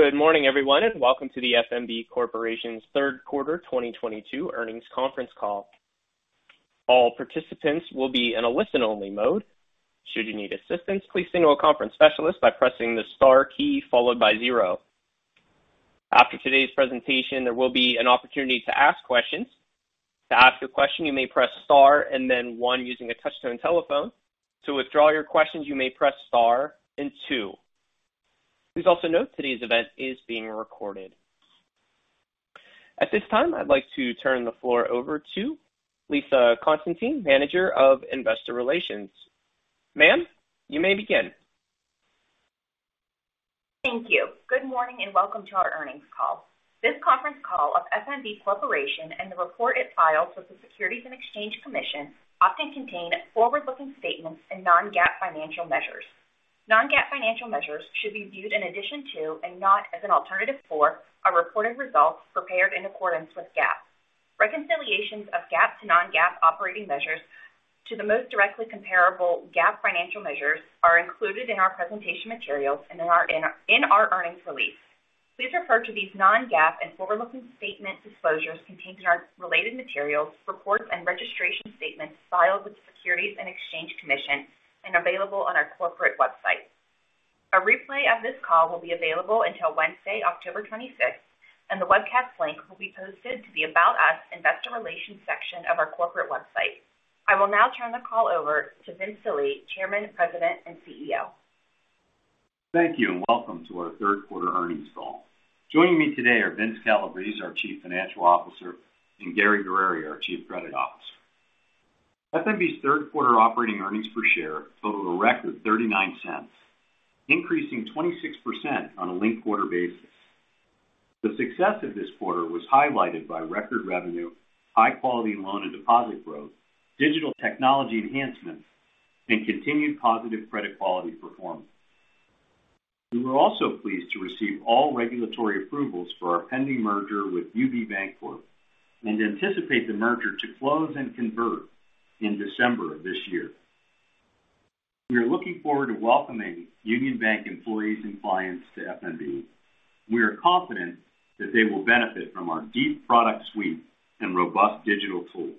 Good morning, everyone, and welcome to the F.N.B. Corporation's Q3 2022 earnings conference call. All participants will be in a listen-only mode. Should you need assistance, please signal a conference specialist by pressing the star key followed by zero. After today's presentation, there will be an opportunity to ask questions. To ask a question, you may press star and then one using a touch-tone telephone. To withdraw your questions, you may press star and two. Please also note today's event is being recorded. At this time, I'd like to turn the floor over to Lisa Constantine, Manager of Investor Relations. Ma'am, you may begin. Thank you. Good morning and welcome to our earnings call. This conference call of F.N.B. Corporation and the report it files with the Securities and Exchange Commission often contain forward-looking statements and non-GAAP financial measures. Non-GAAP financial measures should be viewed in addition to and not as an alternative for our reported results prepared in accordance with GAAP. Reconciliations of GAAP to non-GAAP operating measures to the most directly comparable GAAP financial measures are included in our presentation materials and in our earnings release. Please refer to these non-GAAP and forward-looking statement disclosures contained in our related materials, reports, and registration statements filed with the Securities and Exchange Commission and available on our corporate website. A replay of this call will be available until Wednesday, October twenty-sixth, and the webcast link will be posted to the About Us Investor Relations section of our corporate website. I will now turn the call over to Vincent J. Delie Jr., Chairman, President, and CEO. Thank you, and welcome to our Q3 earnings call. Joining me today are Vince Calabrese, our Chief Financial Officer, and Gary Guerrieri, our Chief Credit Officer. F.N.B's Q3 operating earnings per share totaled a record $0.39, increasing 26% on a linked quarter basis. The success of this quarter was highlighted by record revenue, high quality loan and deposit growth, digital technology enhancements, and continued positive credit quality performance. We were also pleased to receive all regulatory approvals for our pending merger with UB Bancorp and anticipate the merger to close and convert in December of this year. We are looking forward to welcoming Union Bank employees and clients to F.N.B. We are confident that they will benefit from our deep product suite and robust digital tools.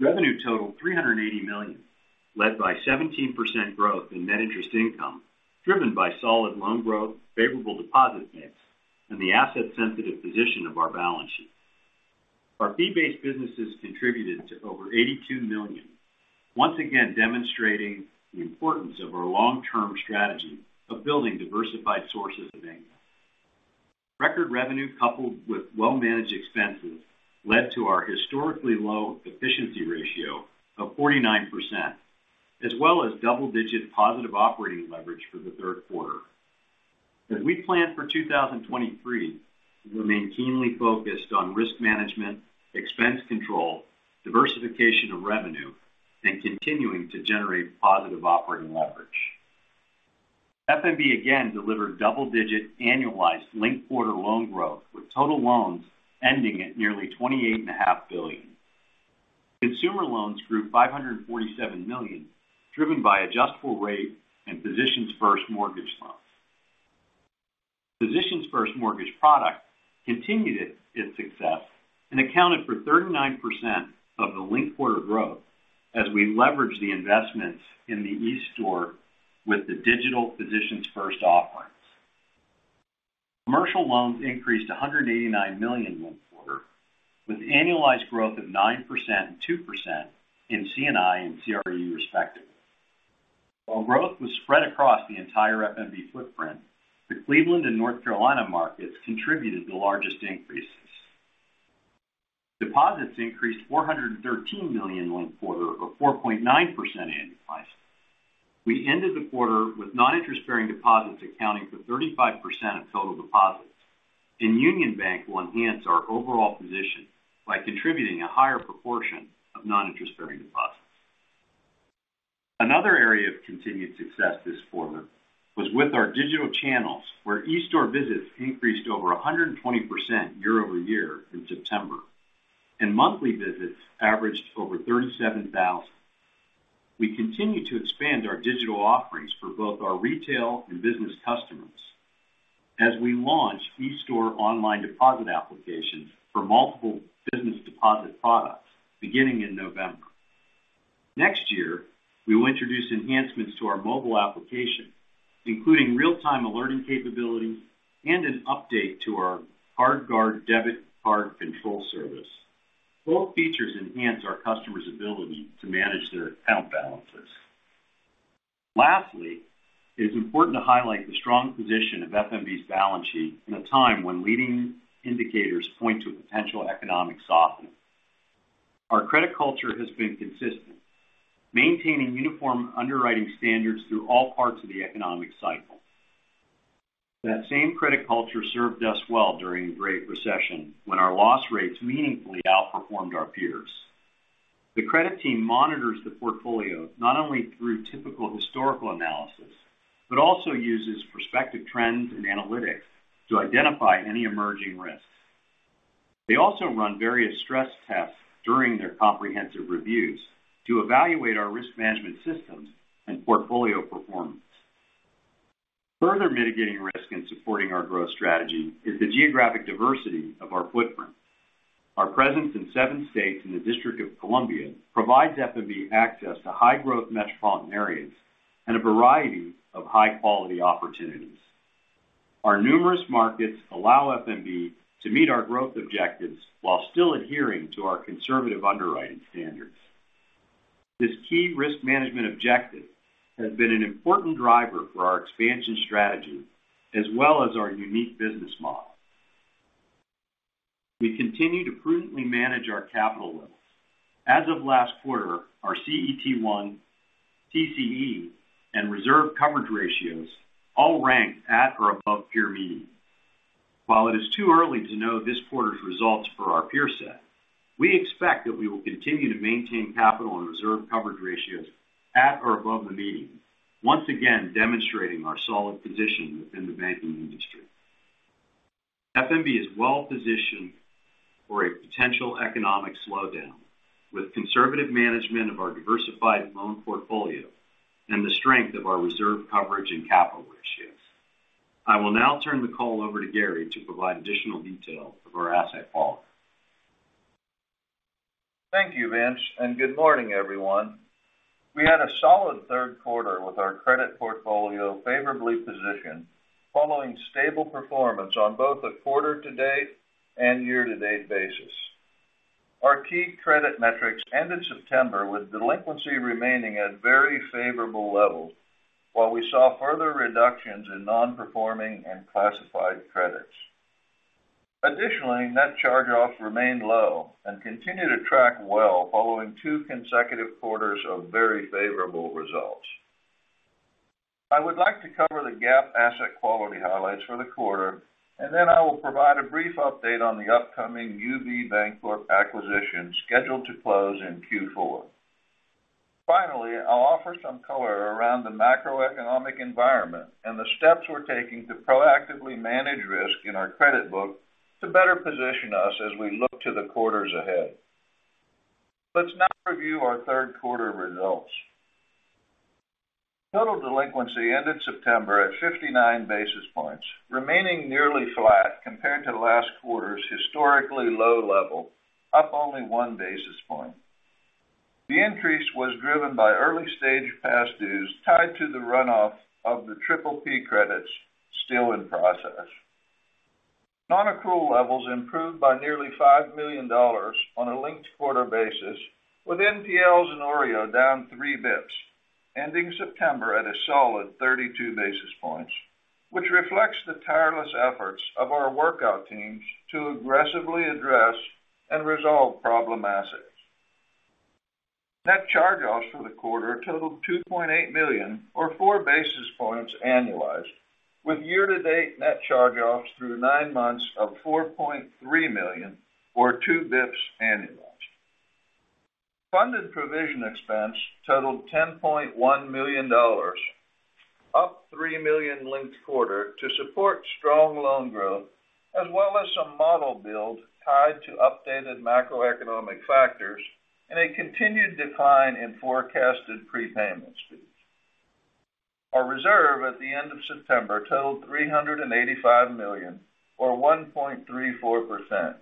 Revenue totaled $300 million, led by 17% growth in net interest income, driven by solid loan growth, favorable deposit mix, and the asset-sensitive position of our balance sheet. Our fee-based businesses contributed to over $82 million, once again demonstrating the importance of our long-term strategy of building diversified sources of income. Record revenue coupled with well-managed expenses led to our historically low efficiency ratio of 49%, as well as double-digit positive operating leverage for the Q3. As we plan for 2023, we remain keenly focused on risk management, expense control, diversification of revenue, and continuing to generate positive operating leverage. F.N.B again delivered double-digit annualized linked quarter loan growth, with total loans ending at nearly $28.5 billion. Consumer loans grew $547 million, driven by adjustable rate and Physicians First mortgage loans. Physicians First mortgage product continued its success and accounted for 39% of the linked quarter growth as we leveraged the investments in the eStore with the digital Physicians First offerings. Commercial loans increased $189 million one quarter, with annualized growth of 9% and 2% in C&I and CRE respectively. While growth was spread across the entire F.N.B footprint, the Cleveland and North Carolina markets contributed the largest increases. Deposits increased $413 million one quarter or 4.9% annualized. We ended the quarter with non-interest-bearing deposits accounting for 35% of total deposits, and Union Bank will enhance our overall position by contributing a higher proportion of non-interest-bearing deposits. Another area of continued success this quarter was with our digital channels, where eStore visits increased over 120% year-over-year in September, and monthly visits averaged over 37,000. We continue to expand our digital offerings for both our retail and business customers as we launch eStore online deposit applications for multiple business deposit products beginning in November. Next year, we will introduce enhancements to our mobile application, including real-time alerting capabilities and an update to our CardGuard debit card control service. Both features enhance our customers' ability to manage their account balances. Lastly, it is important to highlight the strong position of F.N.B's balance sheet in a time when leading indicators point to a potential economic softening. Our credit culture has been consistent, maintaining uniform underwriting standards through all parts of the economic cycle. That same credit culture served us well during the Great Recession, when our loss rates meaningfully outperformed our peers. The credit team monitors the portfolio not only through typical historical analysis, but also uses prospective trends and analytics to identify any emerging risks. They also run various stress tests during their comprehensive reviews to evaluate our risk management systems and portfolio performance. Further mitigating risk and supporting our growth strategy is the geographic diversity of our footprint. Our presence in seven states in the District of Columbia provides F.N.B access to high growth metropolitan areas and a variety of high quality opportunities. Our numerous markets allow F.N.B to meet our growth objectives while still adhering to our conservative underwriting standards. This key risk management objective has been an important driver for our expansion strategy as well as our unique business model. We continue to prudently manage our capital levels. As of last quarter, our CET1, TCE, and reserve coverage ratios all ranked at or above peer median. While it is too early to know this quarter's results for our peer set, we expect that we will continue to maintain capital and reserve coverage ratios at or above the median, once again demonstrating our solid position within the banking industry. F.N.B is well-positioned for a potential economic slowdown with conservative management of our diversified loan portfolio and the strength of our reserve coverage and capital ratios. I will now turn the call over to Gary to provide additional detail of our asset quality. Thank you, Vince, and good morning, everyone. We had a solid Q3 with our credit portfolio favorably positioned following stable performance on both a quarter-to-date and year-to-date basis. Our key credit metrics ended September with delinquency remaining at very favorable levels, while we saw further reductions in non-performing and classified credits. Additionally, net charge-offs remained low and continue to track well following two consecutive quarters of very favorable results. I would like to cover the GAAP asset quality highlights for the quarter, and then I will provide a brief update on the upcoming UB Bancorp acquisition scheduled to close in Q4. Finally, I'll offer some color around the macroeconomic environment and the steps we're taking to proactively manage risk in our credit book to better position us as we look to the quarters ahead. Let's now review our Q3 results. Total delinquency ended September at 59 basis points, remaining nearly flat compared to last quarter's historically low level, up only 1 basis point. The increase was driven by early-stage past dues tied to the runoff of the PPP credits still in process. Non-accrual levels improved by nearly $5 million on a linked quarter basis, with NPLs in OREO down 3 basis points, ending September at a solid 32 basis points, which reflects the tireless efforts of our workout teams to aggressively address and resolve problem assets. Net charge-offs for the quarter totaled $2.8 million or 4 basis points annualized, with year-to-date net charge-offs through 9 months of $4.3 million or 2 basis points annualized. Funded provision expense totaled $10.1 million, up $3 million linked quarter to support strong loan growth, as well as some model build tied to updated macroeconomic factors and a continued decline in forecasted prepayment speeds. Our reserve at the end of September totaled $385 million or 1.34%,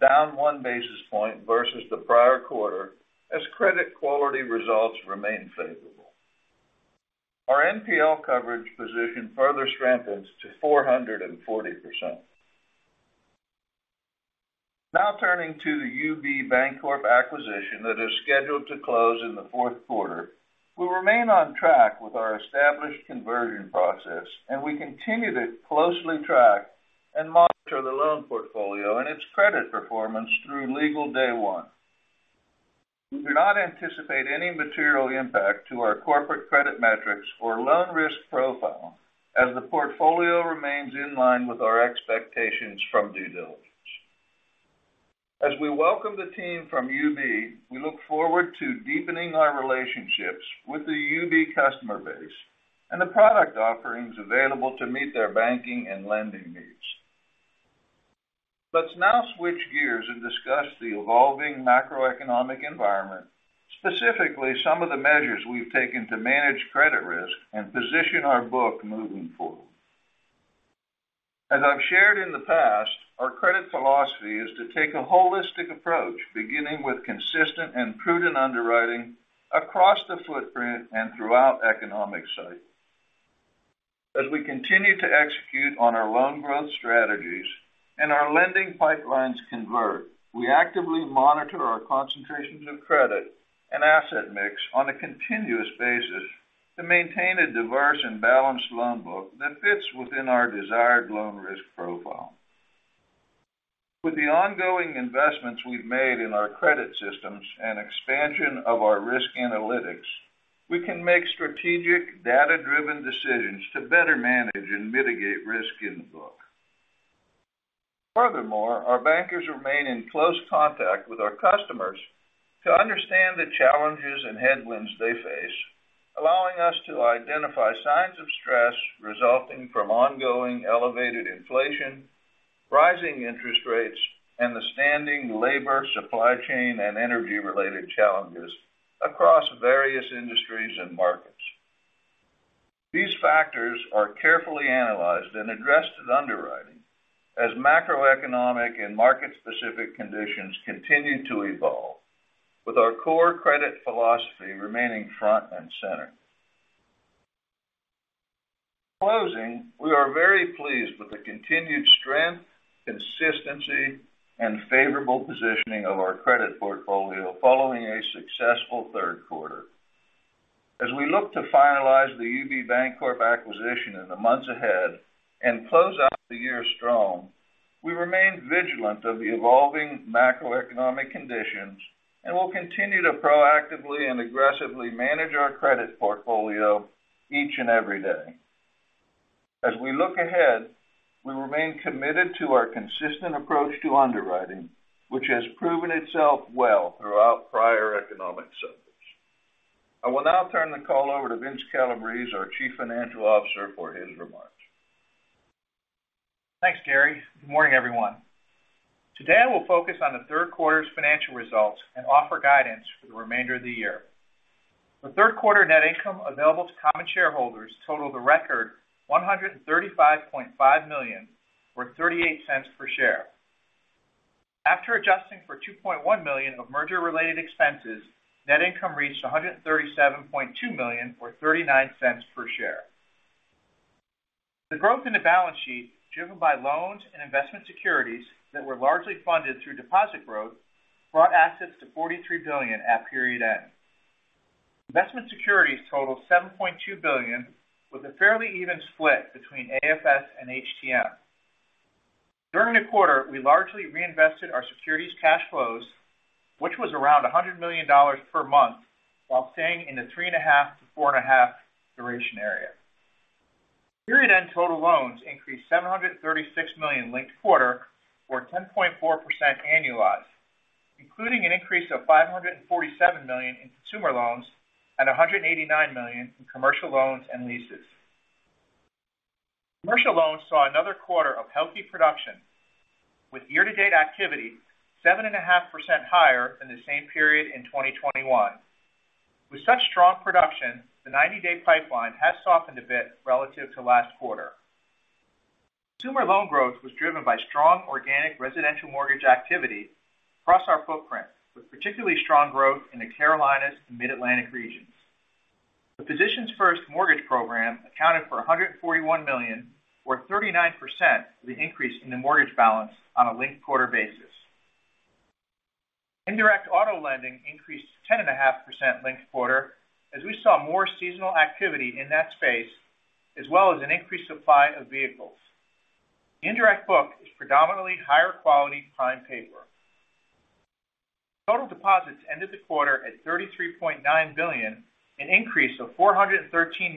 down 1 basis point versus the prior quarter as credit quality results remain favorable. Our NPL coverage position further strengthens to 440%. Now turning to the UB Bancorp acquisition that is scheduled to close in the Q4. We remain on track with our established conversion process, and we continue to closely track and monitor the loan portfolio and its credit performance through legal day one. We do not anticipate any material impact to our corporate credit metrics or loan risk profile as the portfolio remains in line with our expectations from due diligence. As we welcome the team from UB, we look forward to deepening our relationships with the UB customer base and the product offerings available to meet their banking and lending needs. Let's now switch gears and discuss the evolving macroeconomic environment, specifically some of the measures we've taken to manage credit risk and position our book moving forward. As I've shared in the past, our credit philosophy is to take a holistic approach, beginning with consistent and prudent underwriting across the footprint and throughout economic cycles. As we continue to execute on our loan growth strategies and our lending pipelines convert, we actively monitor our concentrations of credit and asset mix on a continuous basis to maintain a diverse and balanced loan book that fits within our desired loan risk profile. With the ongoing investments we've made in our credit systems and expansion of our risk analytics, we can make strategic data-driven decisions to better manage and mitigate risk in the book. Furthermore, our bankers remain in close contact with our customers to understand the challenges and headwinds they face, allowing us to identify signs of stress resulting from ongoing elevated inflation, rising interest rates, and the standing labor supply chain and interview-related challenges across various industries and markets. These factors are carefully analyzed and addressed in underwriting as macroeconomic and market-specific conditions continue to evolve, with our core credit philosophy remaining front and center. In closing, we are very pleased with the continued strength, consistency and favorable positioning of our credit portfolio following a successful Q3. As we look to finalize the UB Bancorp acquisition in the months ahead and close out the year strong, we remain vigilant of the evolving macroeconomic conditions, and we'll continue to proactively and aggressively manage our credit portfolio each and every day. As we look ahead, we remain committed to our consistent approach to underwriting, which has proven itself well throughout prior economic cycles. I will now turn the call over to Vince Calabrese, our Chief Financial Officer, for his remarks. Thanks, Gary. Good morning, everyone. Today, I will focus on the Q3's financial results and offer guidance for the remainder of the year. The Q3 net income available to common shareholders totaled a record $135.5 million, or $0.38 per share. After adjusting for $2.1 million of merger-related expenses, net income reached $137.2 million, or $0.39 per share. The growth in the balance sheet, driven by loans and investment securities that were largely funded through deposit growth, brought assets to $43 billion at period end. Investment securities totaled $7.2 billion, with a fairly even split between AFS and HTM. During the quarter, we largely reinvested our securities cash flows, which was around $100 million per month, while staying in the 3.5-4.5 duration area. Period-end total loans increased $736 million linked quarter, or 10.4% annualized, including an increase of $547 million in consumer loans and $189 million in commercial loans and leases. Commercial loans saw another quarter of healthy production, with year-to-date activity 7.5% higher than the same period in 2021. With such strong production, the 90-day pipeline has softened a bit relative to last quarter. Consumer loan growth was driven by strong organic residential mortgage activity across our footprint, with particularly strong growth in the Carolinas and Mid-Atlantic regions. The Physicians First mortgage program accounted for $141 million, or 39%, of the increase in the mortgage balance on a linked quarter basis. Indirect auto lending increased 10.5% linked quarter as we saw more seasonal activity in that space, as well as an increased supply of vehicles. The indirect book is predominantly higher quality prime paper. Total deposits ended the quarter at $33.9 billion, an increase of $413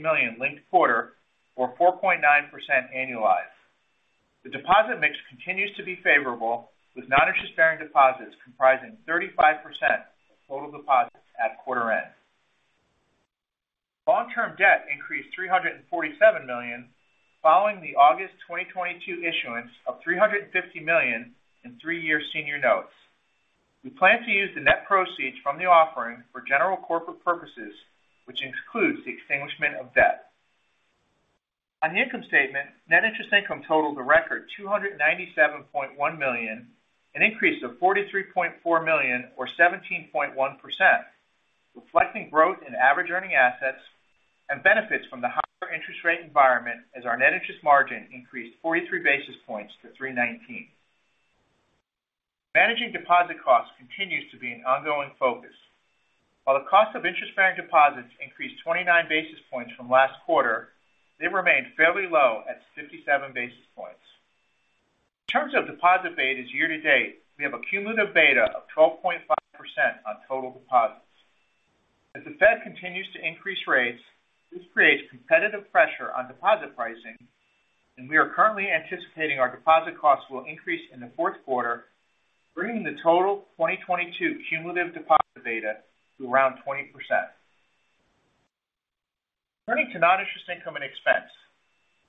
million linked quarter or 4.9% annualized. The deposit mix continues to be favorable, with non-interest bearing deposits comprising 35% of total deposits at quarter end. Long-term debt increased $347 million following the August 2022 issuance of $350 million in three-year senior notes. We plan to use the net proceeds from the offering for general corporate purposes, which includes the extinguishment of debt. On the income statement, net interest income totaled a record $297.1 million, an increase of $43.4 million or 17.1%, reflecting growth in average earning assets and benefits from the higher interest rate environment as our net interest margin increased 43 basis points to 3.19%. Managing deposit costs continues to be an ongoing focus. While the cost of interest bearing deposits increased 29 basis points from last quarter, they remained fairly low at 57 basis points. In terms of deposit betas year to date, we have a cumulative beta of 12.5% on total deposits. As the Fed continues to increase rates, this creates competitive pressure on deposit pricing, and we are currently anticipating our deposit costs will increase in the Q4, bringing the total 2022 cumulative deposit beta to around 20%. Turning to non-interest income and expense.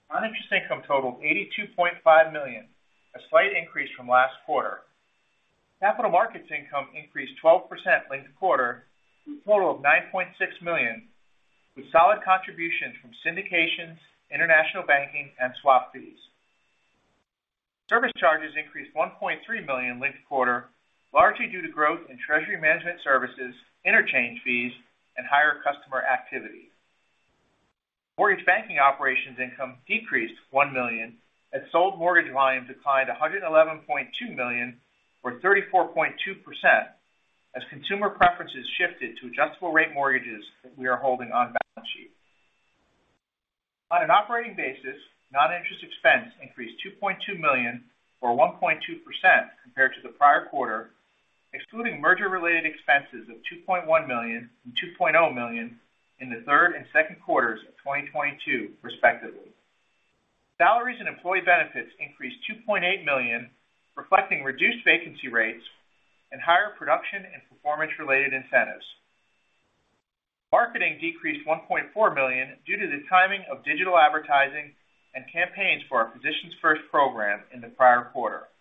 Non-interest income totaled $82.5 million, a slight increase from last quarter. Capital markets income increased 12% linked quarter to a total of $9.6 million, with solid contributions from syndications, international banking and swap fees. Service charges increased $1.3 million linked quarter, largely due to growth in treasury management services, interchange fees, and higher customer activity. Mortgage banking operations income decreased $1 million as sold mortgage volumes declined $111.2 million or 34.2% as consumer preferences shifted to adjustable rate mortgages that we are holding on the balance sheet. On an operating basis, non-interest expense increased $2.2 million or 1.2% compared to the prior quarter, excluding merger related expenses of $2.1 million and $2.0 million in the third and Q2s of 2022, respectively. Salaries and employee benefits increased $2.8 million, reflecting reduced vacancy rates and higher production and performance related incentives. Marketing decreased $1.4 million due to the timing of digital advertising and campaigns for our Physicians First program in the prior quarter.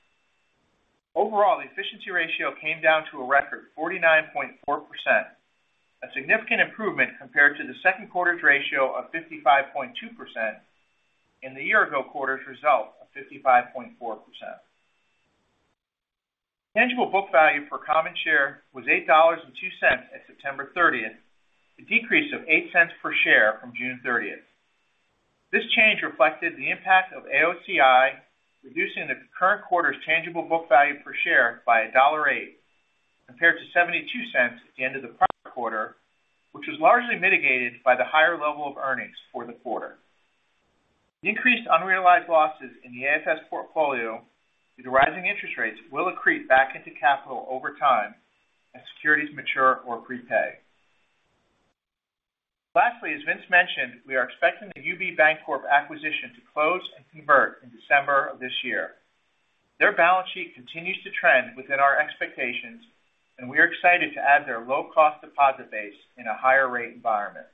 Overall, the efficiency ratio came down to a record 49.4%, a significant improvement compared to the Q2's ratio of 55.2% and the year ago quarter's result of 55.4%. Tangible book value per common share was $8.02 at September thirtieth, a decrease of $0.08 per share from June thirtieth. This change reflected the impact of AOCI, reducing the current quarter's tangible book value per share by $1.08 compared to $0.72 at the end of the prior quarter, which was largely mitigated by the higher level of earnings for the quarter. The increased unrealized losses in the AFS portfolio due to rising interest rates will accrete back into capital over time as securities mature or prepay. Lastly, as Vince mentioned, we are expecting the UB Bancorp acquisition to close and convert in December of this year. Their balance sheet continues to trend within our expectations, and we are excited to add their low cost deposit base in a higher rate environment.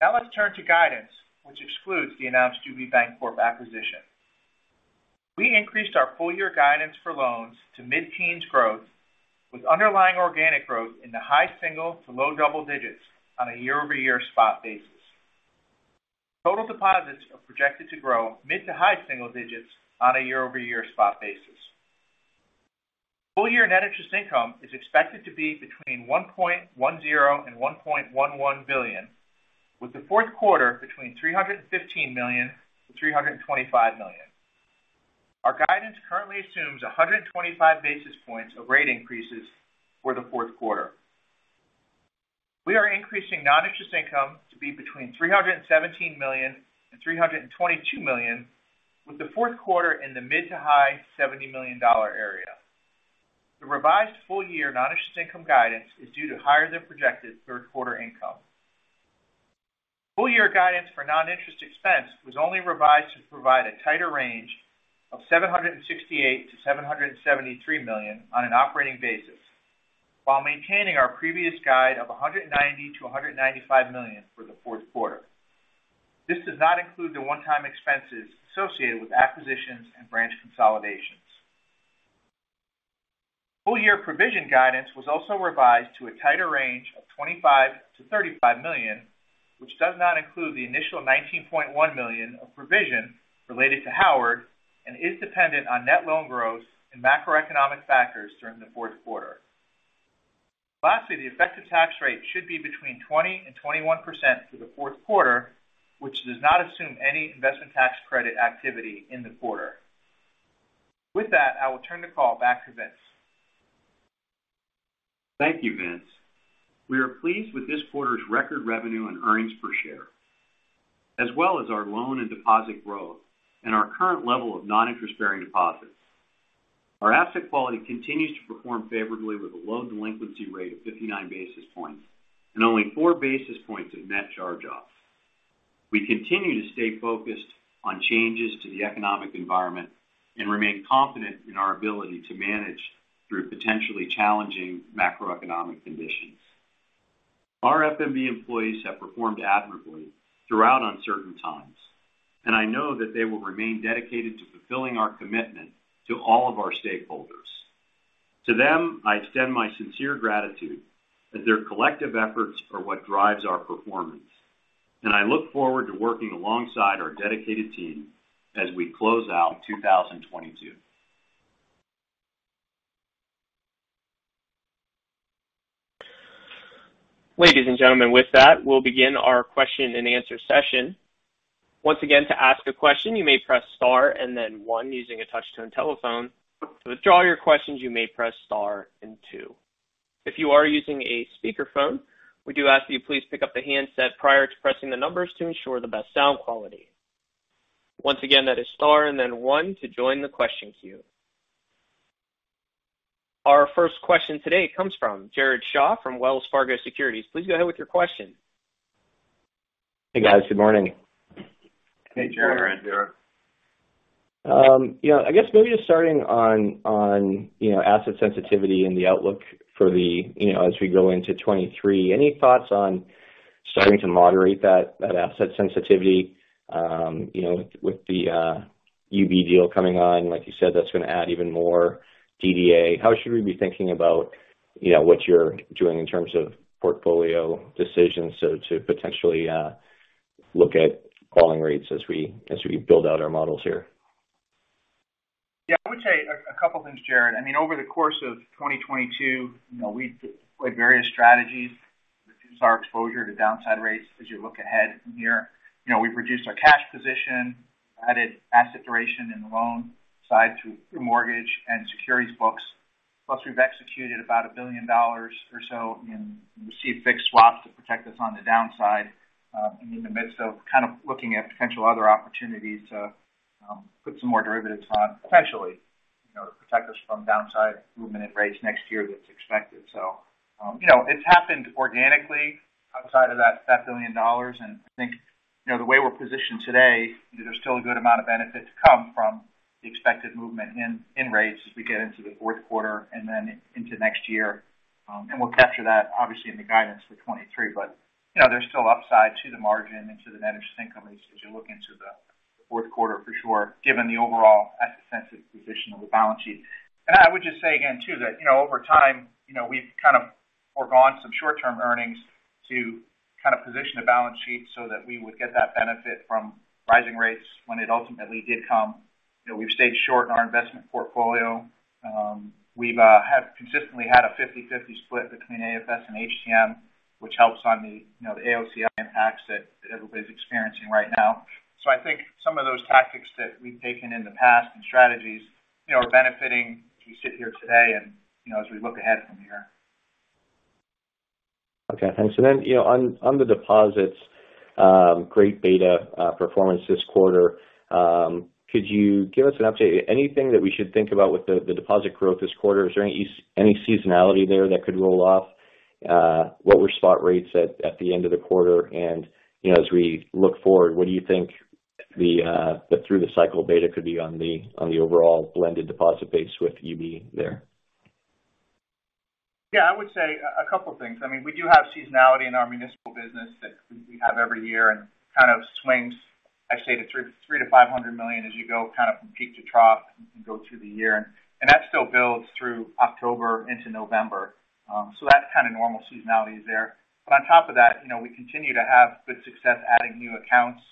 Now let's turn to guidance, which excludes the announced UB Bancorp acquisition. We increased our full year guidance for loans to mid-teens growth, with underlying organic growth in the high single to low double digits on a year-over-year spot basis. Total deposits are projected to grow mid to high single digits on a year-over-year spot basis. Full year net interest income is expected to be between $1.10 billion and $1.11 billion, with the Q4 between $315 million and $325 million. Our guidance currently assumes 125 basis points of rate increases for the Q4. We are increasing non-interest income to be between $317 million and $322 million, with the Q4 in the mid- to high-$70 million area. The revised full-year non-interest income guidance is due to higher than projected Q3 income. Full-year guidance for non-interest expense was only revised to provide a tighter range of $768 million-$773 million on an operating basis, while maintaining our previous guide of $190 million-$195 million for the Q4. This does not include the one-time expenses associated with acquisitions and branch consolidations. Full-year provision guidance was also revised to a tighter range of $25 million-$35 million, which does not include the initial $19.1 million of provision related to Howard and is dependent on net loan growth and macroeconomic factors during the Q4. Lastly, the effective tax rate should be between 20% and 21% for the Q4, which does not assume any investment tax credit activity in the quarter. With that, I will turn the call back to Vince. Thank you, Vince. We are pleased with this quarter's record revenue and earnings per share, as well as our loan and deposit growth and our current level of non-interest bearing deposits. Our asset quality continues to perform favorably with a low delinquency rate of 59 basis points and only 4 basis points of net charge off. We continue to stay focused on changes to the economic environment and remain confident in our ability to manage through potentially challenging macroeconomic conditions. Our F.N.B. employees have performed admirably throughout uncertain times, and I know that they will remain dedicated to fulfilling our commitment to all of our stakeholders. To them, I extend my sincere gratitude that their collective efforts are what drives our performance. I look forward to working alongside our dedicated team as we close out 2022. Ladies and gentlemen, with that, we'll begin our question and answer session. Once again, to ask a question, you may press star and then one using a touch-tone telephone. To withdraw your questions, you may press star and two. If you are using a speakerphone, we do ask that you please pick up the handset prior to pressing the numbers to ensure the best sound quality. Once again, that is star and then one to join the question queue. Our first question today comes from Jared Shaw from Wells Fargo Securities. Please go ahead with your question. Hey, guys. Good morning. Hey, Jared. Good morning, Jared. You know, I guess maybe just starting on you know, asset sensitivity and the outlook for the, you know, as we go into 2023. Any thoughts on starting to moderate that asset sensitivity, you know, with the UB deal coming on? Like you said, that's going to add even more DDA. How should we be thinking about, you know, what you're doing in terms of portfolio decisions to potentially look at falling rates as we build out our models here? Yeah, I would say a couple things, Jared. I mean, over the course of 2022, you know, we deployed various strategies to reduce our exposure to downside rates as you look ahead from here. You know, we've reduced our cash position, added asset duration in the loan side through mortgage and securities books. Plus, we've executed about $1 billion or so in received fixed swaps to protect us on the downside, and in the midst of kind of looking at potential other opportunities to put some more derivatives on potentially. You know, to protect us from downside movement in rates next year that's expected. You know, it's happened organically outside of that $1 billion. I think, you know, the way we're positioned today, there's still a good amount of benefit to come from the expected movement in rates as we get into the Q4 and then into next year. We'll capture that obviously in the guidance for 2023. You know, there's still upside to the margin and to the net interest income as you look into the Q4 for sure, given the overall asset-sensitive position of the balance sheet. I would just say again too that, you know, over time, you know, we've kind of foregone some short-term earnings to kind of position the balance sheet so that we would get that benefit from rising rates when it ultimately did come. You know, we've stayed short in our investment portfolio. We have consistently had a 50/50 split between AFS and HTM, which helps on the, you know, the AOCI impacts that everybody's experiencing right now. I think some of those tactics that we've taken in the past and strategies, you know, are benefiting as we sit here today and, you know, as we look ahead from here. Okay. Thanks. You know, on the deposits, great beta performance this quarter. Could you give us an update? Anything that we should think about with the deposit growth this quarter? Is there any seasonality there that could roll off? What were spot rates at the end of the quarter? You know, as we look forward, what do you think the through the cycle beta could be on the overall blended deposit base with EB there? Yeah, I would say a couple of things. I mean, we do have seasonality in our municipal business that we have every year and kind of swings, I say, to $300 million-$500 million as you go kind of from peak to trough and go through the year. That still builds through October into November. That's kind of normal seasonality is there. On top of that, you know, we continue to have good success adding new accounts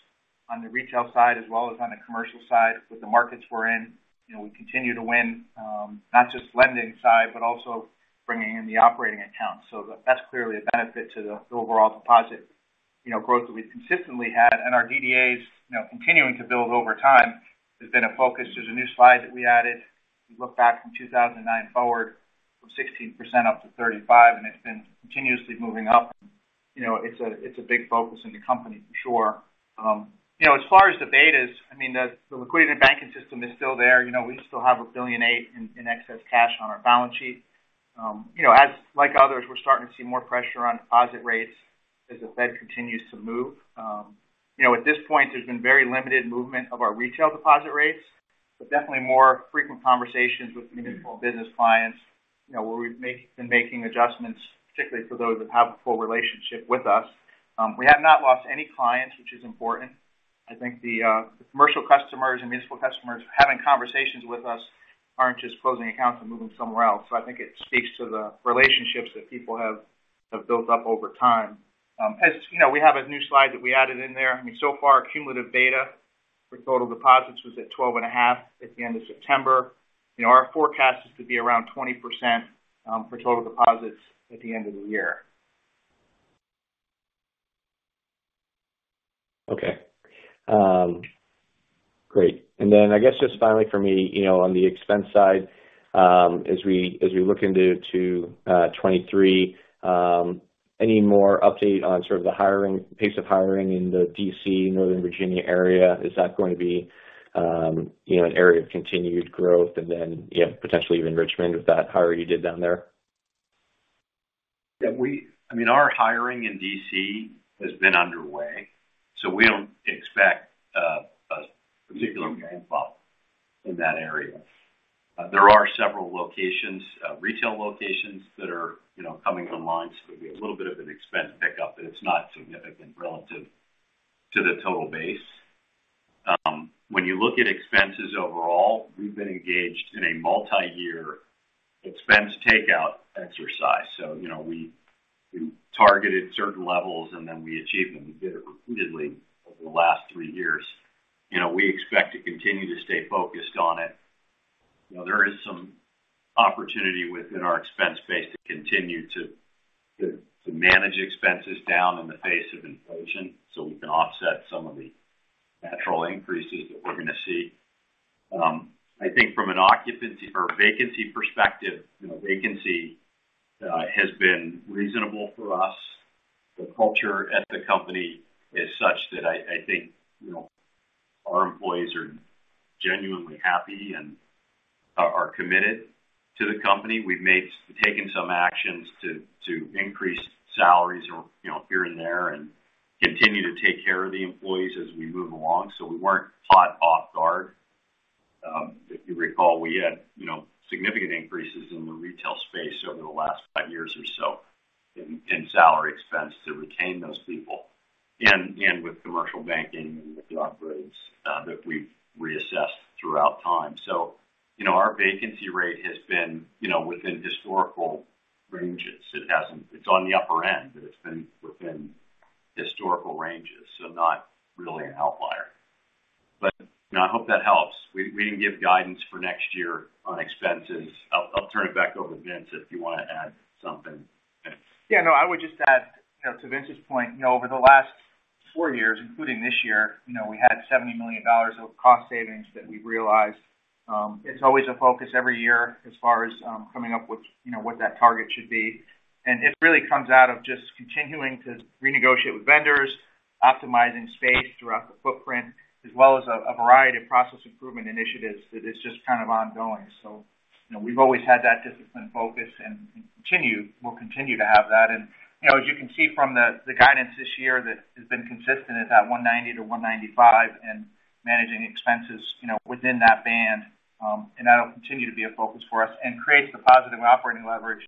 on the retail side as well as on the commercial side with the markets we're in. You know, we continue to win not just lending side, but also bringing in the operating accounts. That's clearly a benefit to the overall deposit, you know, growth that we've consistently had. Our DDAs, you know, continuing to build over time has been a focus. There's a new slide that we added. We look back from 2009 forward from 16% up to 35%, and it's been continuously moving up. You know, it's a big focus in the company for sure. You know, as far as the betas, I mean, the liquidity in the banking system is still there. You know, we still have $1.8 billion in excess cash on our balance sheet. You know, as like others, we're starting to see more pressure on deposit rates as the Fed continues to move. You know, at this point, there's been very limited movement of our retail deposit rates, but definitely more frequent conversations with municipal business clients, you know, where we've been making adjustments, particularly for those that have a full relationship with us. We have not lost any clients, which is important. I think the commercial customers and municipal customers having conversations with us aren't just closing accounts and moving somewhere else. I think it speaks to the relationships that people have built up over time. As you know, we have a new slide that we added in there. I mean, so far, cumulative beta for total deposits was at 12.5 at the end of September. You know, our forecast is to be around 20% for total deposits at the end of the year. Okay. Great. I guess just finally for me, you know, on the expense side, as we look into 2023, any more update on sort of the hiring pace of hiring in the D.C., Northern Virginia area? Is that going to be, you know, an area of continued growth? And then, you know, potentially even Richmond with that hire you did down there. Our hiring in D.C. has been underway, so we don't expect a particular pain point in that area. There are several locations, retail locations that are, you know, coming online, so there'll be a little bit of an expense pickup, but it's not significant relative to the total base. When you look at expenses overall, we've been engaged in a multi-year expense takeout exercise. You know, we targeted certain levels and then we achieved them. We did it repeatedly over the last three years. You know, we expect to continue to stay focused on it. You know, there is some opportunity within our expense base to continue to manage expenses down in the face of inflation, so we can offset some of the natural increases that we're going to see. I think from an occupancy or a vacancy perspective, you know, vacancy has been reasonable for us. The culture at the company is such that I think, you know, our employees are genuinely happy and are committed to the company. We've taken some actions to increase salaries or, you know, here and there, and continue to take care of the employees as we move along. We weren't caught off guard. If you recall, we had, you know, significant increases in the retail space over the last five years or so in salary expense to retain those people and with commercial banking and with job grades that we've reassessed throughout time. Our vacancy rate has been, you know, within historical ranges. It's on the upper end, but it's been within historical ranges, so not really an outlier. You know, I hope that helps. We didn't give guidance for next year on expenses. I'll turn it back over to Vince if you want to add something. Yeah, no, I would just add, you know, to Vince's point, you know, over the last four years, including this year, you know, we had $70 million of cost savings that we've realized. It's always a focus every year as far as coming up with, you know, what that target should be. It really comes out of just continuing to renegotiate with vendors. Optimizing space throughout the footprint, as well as a variety of process improvement initiatives that is just kind of ongoing. We've always had that discipline focus and will continue to have that. You know, as you can see from the guidance this year that has been consistent is at $190-$195 and managing expenses, you know, within that band. That'll continue to be a focus for us and creates the positive operating leverage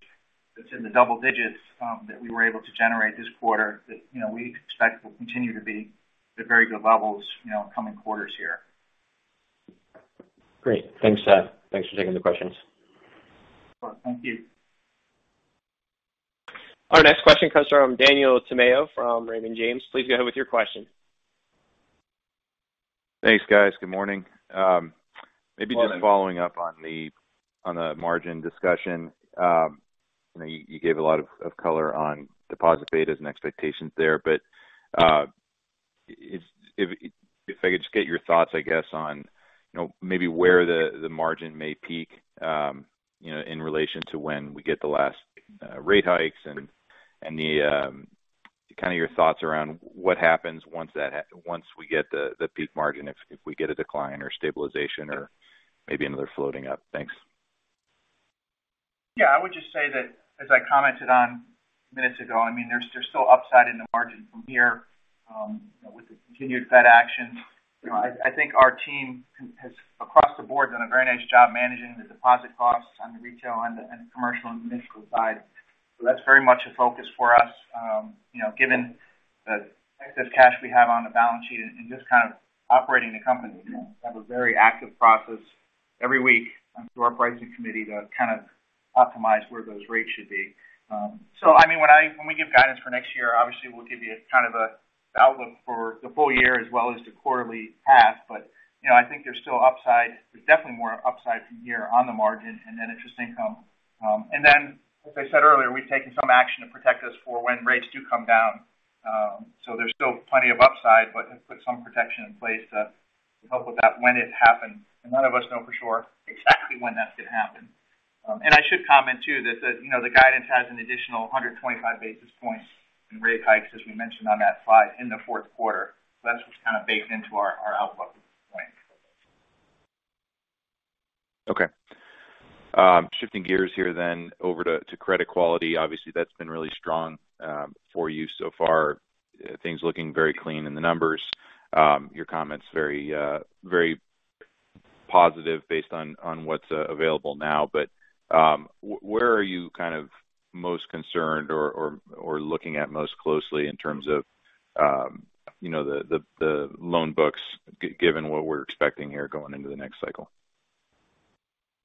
that's in the double digits, that we were able to generate this quarter that, you know, we expect will continue to be at very good levels, you know, in coming quarters here. Great. Thanks, Jared. Thanks for taking the questions. All right. Thank you. Our next question comes from Daniel Tamayo from Raymond James. Please go ahead with your question. Thanks, guys. Good morning. Maybe just following up on the margin discussion. You know, you gave a lot of color on deposit betas and expectations there. If I could just get your thoughts, I guess, on, you know, maybe where the margin may peak, you know, in relation to when we get the last rate hikes and the kind of your thoughts around what happens once we get the peak margin, if we get a decline or stabilization or maybe another floating up. Thanks. I would just say that as I commented on minutes ago, I mean, there's still upside in the margin from here, you know, with the continued Fed action. You know, I think our team has, across the board, done a very nice job managing the deposit costs on the retail and the commercial and municipal side. That's very much a focus for us, you know, given the excess cash we have on the balance sheet and just kind of operating the company. We have a very active process every week through our pricing committee to kind of optimize where those rates should be. I mean, when we give guidance for next year, obviously we'll give you kind of an outlook for the full year as well as the quarterly path. You know, I think there's still upside. There's definitely more upside from here on the margin and net interest income. As I said earlier, we've taken some action to protect us for when rates do come down. There's still plenty of upside, but have put some protection in place to help with that when it happens. None of us know for sure exactly when that's going to happen. I should comment too that the, you know, the guidance has an additional 125 basis points in rate hikes, as we mentioned on that slide, in the Q4. That's what's kind of baked into our outlook point. Okay. Shifting gears here then over to credit quality. Obviously, that's been really strong for you so far. Things looking very clean in the numbers. Your comment's very positive based on what's available now. Where are you kind of most concerned or looking at most closely in terms of you know the loan books given what we're expecting here going into the next cycle?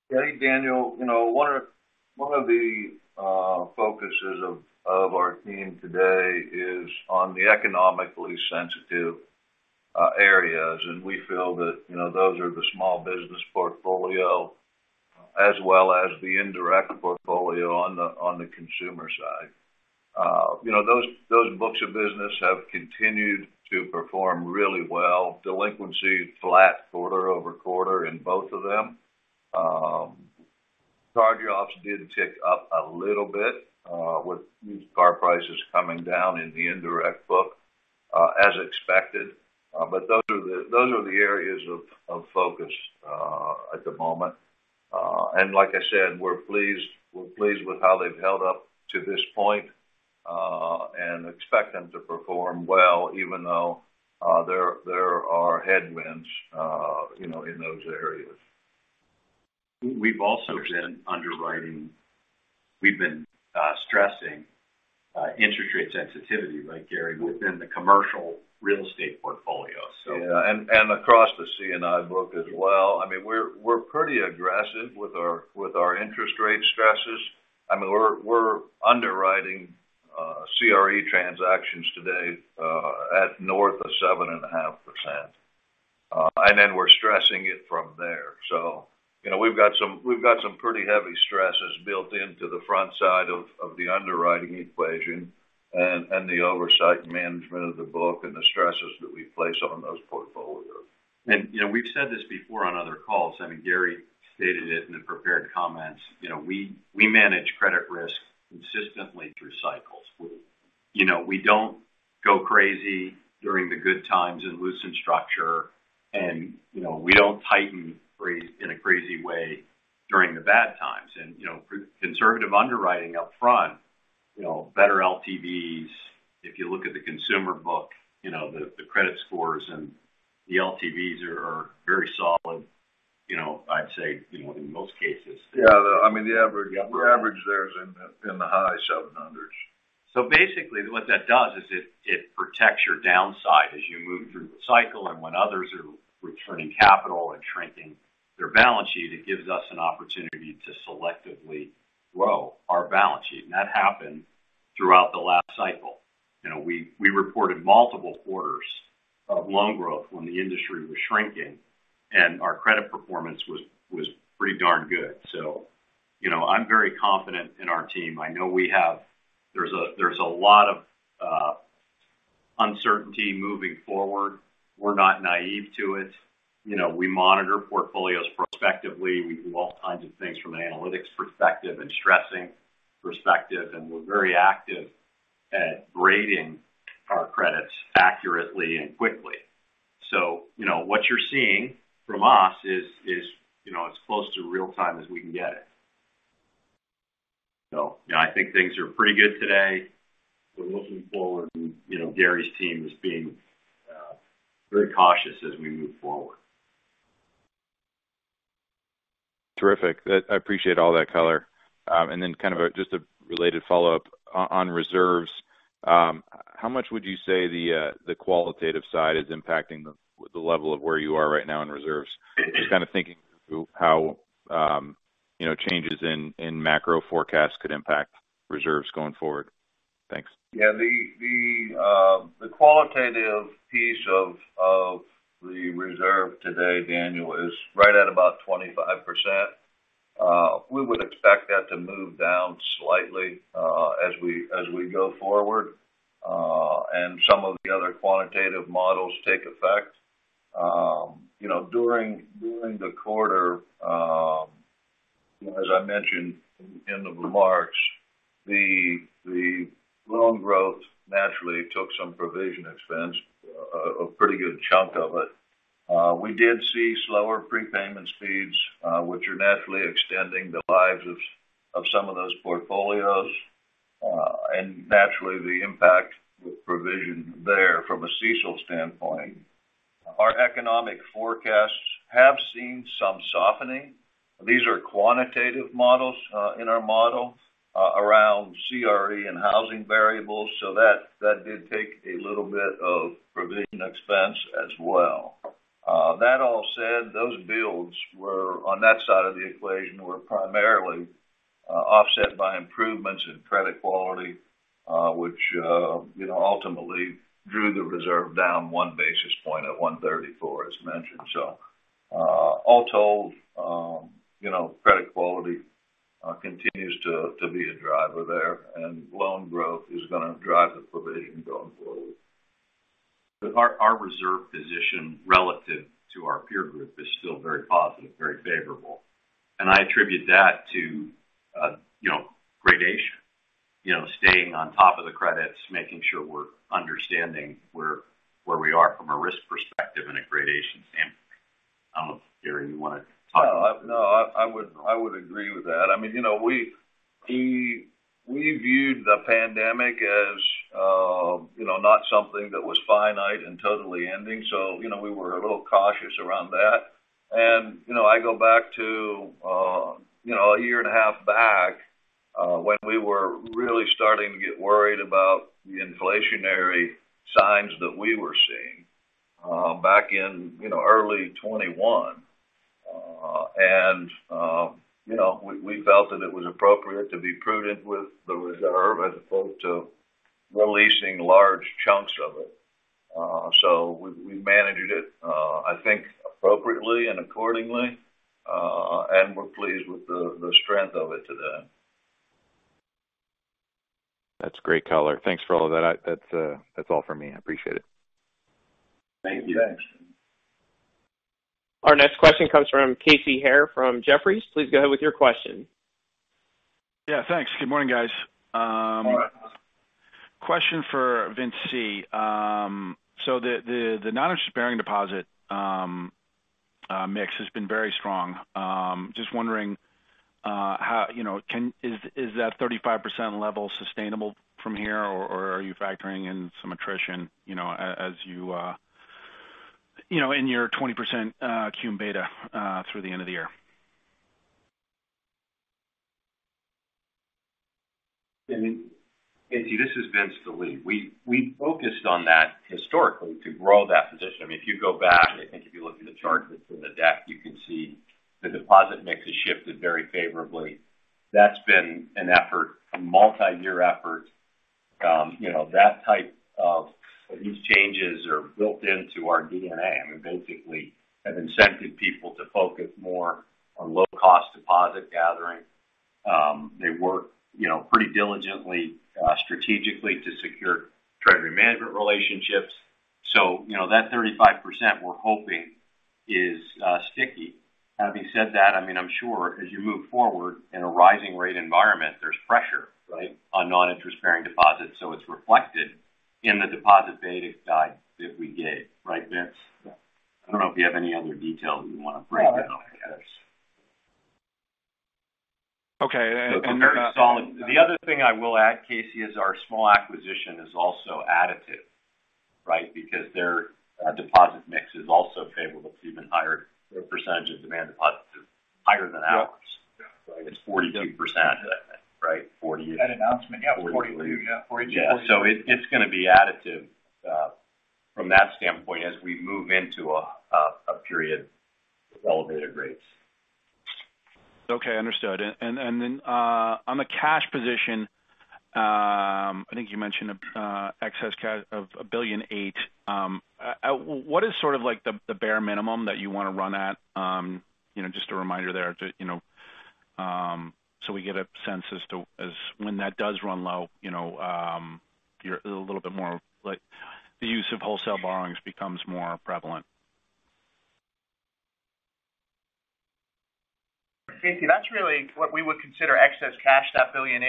Gary, Daniel, you know, one of the focuses of our team today is on the economically sensitive areas. We feel that, you know, those are the small business portfolio as well as the indirect portfolio on the consumer side. You know, those books of business have continued to perform really well. Delinquency flat quarter-over-quarter in both of them. Charge-offs did tick up a little bit with used car prices coming down in the indirect book, as expected. But those are the areas of focus at the moment. Like I said, we're pleased with how they've held up to this point and expect them to perform well, even though there are headwinds, you know, in those areas. We've also been stressing interest rate sensitivity, right, Gary, within the commercial real estate portfolio, so. Across the C&I book as well. I mean, we're pretty aggressive with our interest rate stresses. I mean, we're underwriting CRE transactions today at north of 7.5%. Then we're stressing it from there. You know, we've got some pretty heavy stresses built into the front side of the underwriting equation and the oversight and management of the book and the stresses that we place on those portfolios. You know, we've said this before on other calls, and Gary stated it in the prepared comments. You know, we manage credit risk consistently through cycles. You know, we don't go crazy during the good times and loosen structure and, you know, we don't tighten crazy in a crazy way during the bad times. You know, for conservative underwriting up front, you know, better LTVs, if you look at the consumer book, you know, the credit scores and the LTVs are very solid, you know, I'd say, you know, in most cases. I mean, the average there is in the high 700s. Basically, what that does is it protects your downside as you move through the cycle and when others are returning capital and shrinking their balance sheet, it gives us an opportunity to selectively grow our balance sheet. That happened throughout the last cycle. You know, we reported multiple quarters of loan growth when the industry was shrinking, and our credit performance was pretty darn good. You know, I'm very confident in our team. I know there's a lot of uncertainty moving forward. We're not naive to it. You know, we monitor portfolios prospectively. We do all kinds of things from an analytics perspective and stressing. perspective, we're very active at grading our credits accurately and quickly. You know, what you're seeing from us is you know, as close to real time as we can get it. You know, I think things are pretty good today. We're looking forward, you know, Gary's team is being very cautious as we move forward. Terrific. I appreciate all that color. Just a related follow-up on reserves. How much would you say the qualitative side is impacting the level of where you are right now in reserves? Just kind of thinking through how you know changes in macro forecasts could impact reserves going forward. Thanks. Yeah. The qualitative piece of the reserve today, Daniel, is right at about 25%. We would expect that to move down slightly as we go forward and some of the other quantitative models take effect. You know, during the quarter, as I mentioned in the remarks, the loan growth naturally took some provision expense, a pretty good chunk of it. We did see slower prepayment speeds, which are naturally extending the lives of some of those portfolios. Naturally, the impact with provision there from a CECL standpoint. Our economic forecasts have seen some softening. These are quantitative models in our model around CRE and housing variables. So that did take a little bit of provision expense as well. That all said, those builds on that side of the equation were primarily offset by improvements in credit quality, which you know ultimately drew the reserve down one basis point to 134, as mentioned. All told, you know, credit quality continues to be a driver there, and loan growth is gonna drive the provision going forward. Our reserve position relative to our peer group is still very positive, very favorable. I attribute that to, you know, gradations. You know, staying on top of the credits, making sure we're understanding where we are from a risk perspective and a gradations standpoint. I don't know, Gary, you want to talk to that? No, I would agree with that. I mean, you know, we viewed the pandemic as, you know, not something that was finite and totally ending, so, you know, we were a little cautious around that. I go back to, you know, a year and a half back, when we were really starting to get worried about the inflationary signs that we were seeing, back in, you know, early 2021. You know, we felt that it was appropriate to be prudent with the reserve as opposed to releasing large chunks of it. We managed it, I think appropriately and accordingly, and we're pleased with the strength of it today. That's great color. Thanks for all that. That's all for me. I appreciate it. Thank you. Thanks. Our next question comes from Casey Haire from Jefferies. Please go ahead with your question. Yeah, thanks. Good morning, guys. Morning. Question for Vincent J. Calabrese, Jr. The non-interest-bearing deposit mix has been very strong. Just wondering, you know, is that 35% level sustainable from here, or are you factoring in some attrition, you know, as you know, in your 20% QMB data through the end of the year? I mean, Casey, this is Vince Delie. We focused on that historically to grow that position. I mean, if you go back, I think if you look at the charts in the deck, you can see the deposit mix has shifted very favorably. That's been an effort, a multi-year effort. You know, these changes are built into our DNA. I mean, basically have incented people to focus more on low-cost deposit gathering. They work, you know, pretty diligently, strategically to secure treasury management relationships. You know, that 35% we're hoping is sticky. Having said that, I mean, I'm sure as you move forward in a rising rate environment, there's pressure, right, on non-interest-bearing deposits, so it's reflected in the deposit beta guide that we gave. Right, Vince? Yeah. I don't know if you have any other detail that you wanna break down, I guess. Okay. The other thing I will add, Casey, is our small acquisition is also additive, right? Because their deposit mix is also favorable to even higher percentage of demand deposits, higher than ours. Yeah. It's 42%, I think, right? 48. At announcement, yeah, it's 42. Yeah, 42, 48. Yeah. It's gonna be additive from that standpoint as we move into a period of elevated rates. Okay, understood. On the cash position, I think you mentioned excess cash of $1.008 billion. What is sort of like the bare minimum that you want to run at? You know, just a reminder there to, you know, so we get a sense as to when that does run low, you know, you're a little bit more like the use of wholesale borrowings becomes more prevalent. Casey, that's really what we would consider excess cash, that $1.8 billion.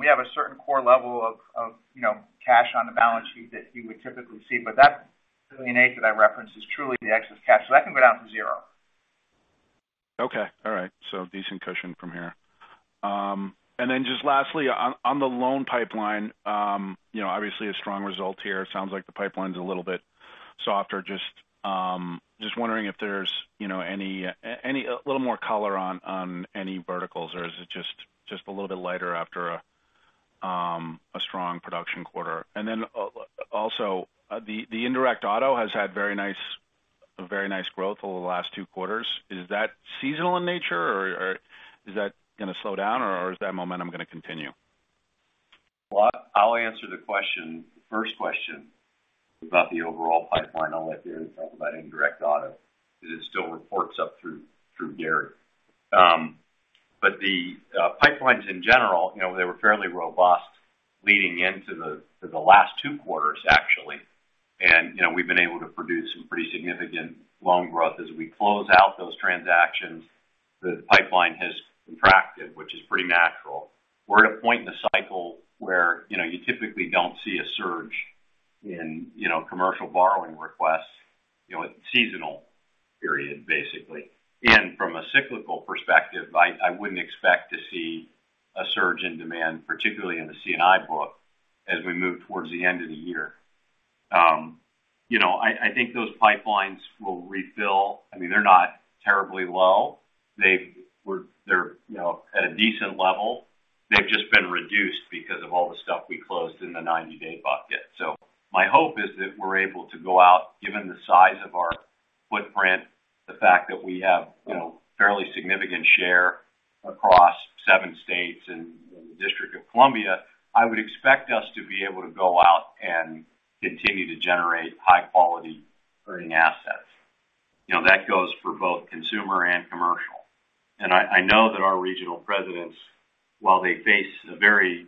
We have a certain core level of, you know, cash on the balance sheet that you would typically see. That $1.8 billion that I referenced is truly the excess cash, so that can go down to zero. Okay. All right. Decent cushion from here. And then just lastly, on the loan pipeline, you know, obviously a strong result here. It sounds like the pipeline's a little bit softer. Just wondering if there's, you know, any a little more color on any verticals, or is it just a little bit lighter after a strong production quarter? And then also, the indirect auto has had very nice growth over the last two quarters. Is that seasonal in nature, or is that gonna slow down, or is that momentum gonna continue? Well, I'll answer the question, the first question about the overall pipeline. I'll let Gary talk about indirect auto. It still reports up through Gary. But the pipelines in general, you know, they were fairly robust leading into the last two quarters, actually. You know, we've been able to produce some pretty significant loan growth. As we close out those transactions, the pipeline has contracted, which is pretty natural. We're at a point in the cycle where, you know, you typically don't see a surge in, you know, commercial borrowing requests, you know, at the seasonal period, basically. From a cyclical perspective, I wouldn't expect to see a surge in demand, particularly in the C&I book, as we move towards the end of the year. You know, I think those pipelines will refill. I mean, they're not terribly low. They're, you know, at a decent level. They've just been reduced because of all the stuff we closed in the 90-day bucket. My hope is that we're able to go out, given the size of our footprint, the fact that we have, you know, fairly significant share across 7 states and the District of Columbia. I would expect us to be able to go out and continue to generate high-quality earning assets. You know, that goes for both consumer and commercial. I know that our regional presidents, while they face a very,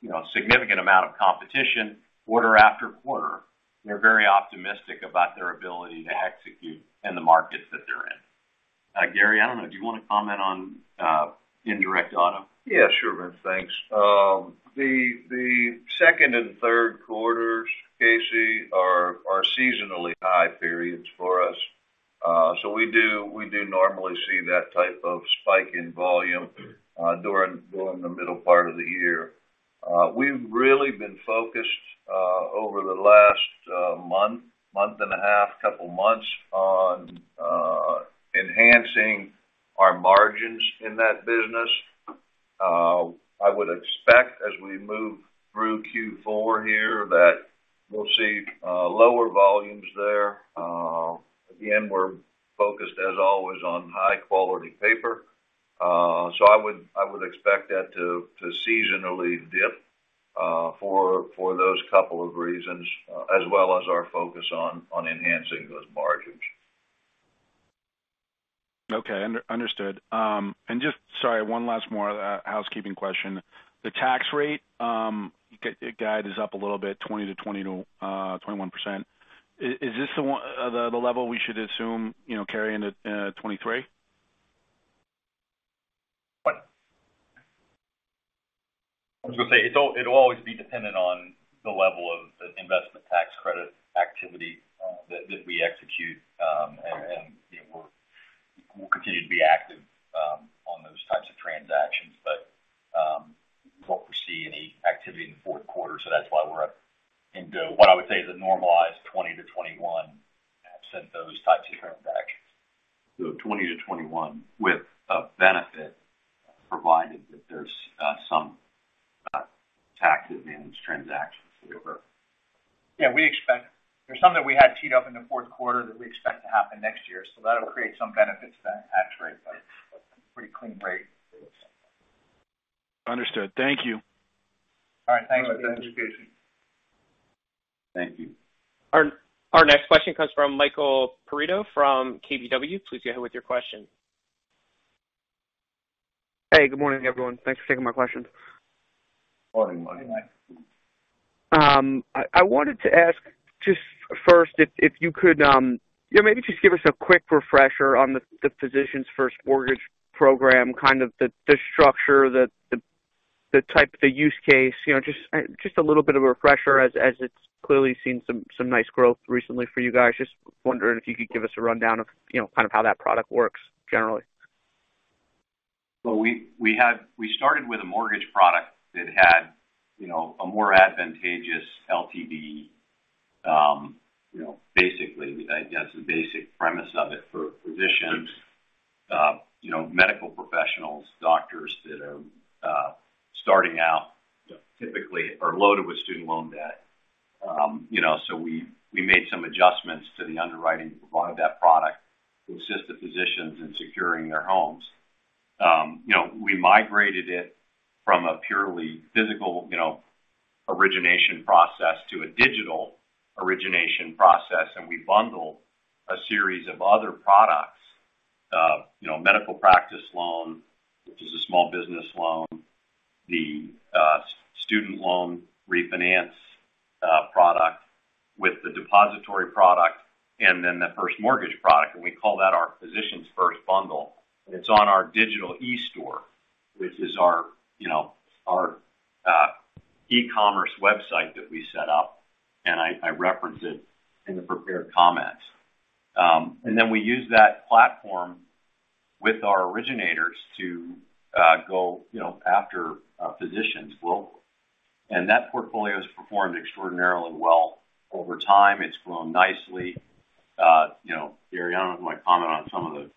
you know, significant amount of competition quarter after quarter, they're very optimistic about their ability to execute in the markets that they're in. Gary, I don't know, do you want to comment on indirect auto? Yeah, sure, Vince. Thanks. The second and Q3s, Casey, are seasonally high periods for us. We do normally see that type of spike in volume during the middle part of the year. We've really been focused over the last month and a half, couple months on enhancing our margins in that business. I would expect as we move through Q4 here, that we'll see lower volumes there. Again, we're focused, as always, on high-quality paper. I would expect that to seasonally dip for those couple of reasons as well as our focus on enhancing those margins. Okay. Understood. Sorry, one more housekeeping question. The tax rate guidance is up a little bit, 20%-21%. Is this the level we should assume, you know, carry into 2023? What? I was gonna say, it'll always be dependent on the level of the investment tax credit activity that we execute. You know, we'll continue to be active on those types of transactions. We don't foresee any activity in the Q4, so that's why we're up to what I would say is a normalized 20-21 absent those types of transactions. 20 to 21 with a benefit provided that there's some tax-advantaged transactions delivered. Yeah, we expect. There's some that we had teed up in the Q4 that we expect to happen next year, so that'll create some benefits to that tax rate, but a pretty clean rate. Understood. Thank you. All right. Thanks for the indication. Thank you. Our next question comes from Michael Perito from KBW. Please go ahead with your question. Hey, good morning, everyone. Thanks for taking my questions. Morning, Mike. Morning, Mike. I wanted to ask just first if you could, you know, maybe just give us a quick refresher on the Physicians First mortgage program, kind of the type, the use case. You know, just a little bit of a refresher as it's clearly seen some nice growth recently for you guys. Just wondering if you could give us a rundown of, you know, kind of how that product works generally. Well, we started with a mortgage product that had, you know, a more advantageous LTV. You know, basically, that's the basic premise of it for physicians, you know, medical professionals, doctors that are starting out typically are loaded with student loan debt. You know, we made some adjustments to the underwriting of that product to assist the physicians in securing their homes. You know, we migrated it from a purely physical, you know, origination process to a digital origination process, and we bundled a series of other products. You know, medical practice loan, which is a small business loan, the student loan refinance product with the depository product and then the first mortgage product. We call that our Physicians First bundle. It's on our digital eStore, which is our, you know, our e-commerce website that we set up, and I referenced it in the prepared comments. We use that platform with our originators to go, you know, after physicians globally. That portfolio has performed extraordinarily well over time. It's grown nicely. You know, Gary, I don't know if you want to comment on some of the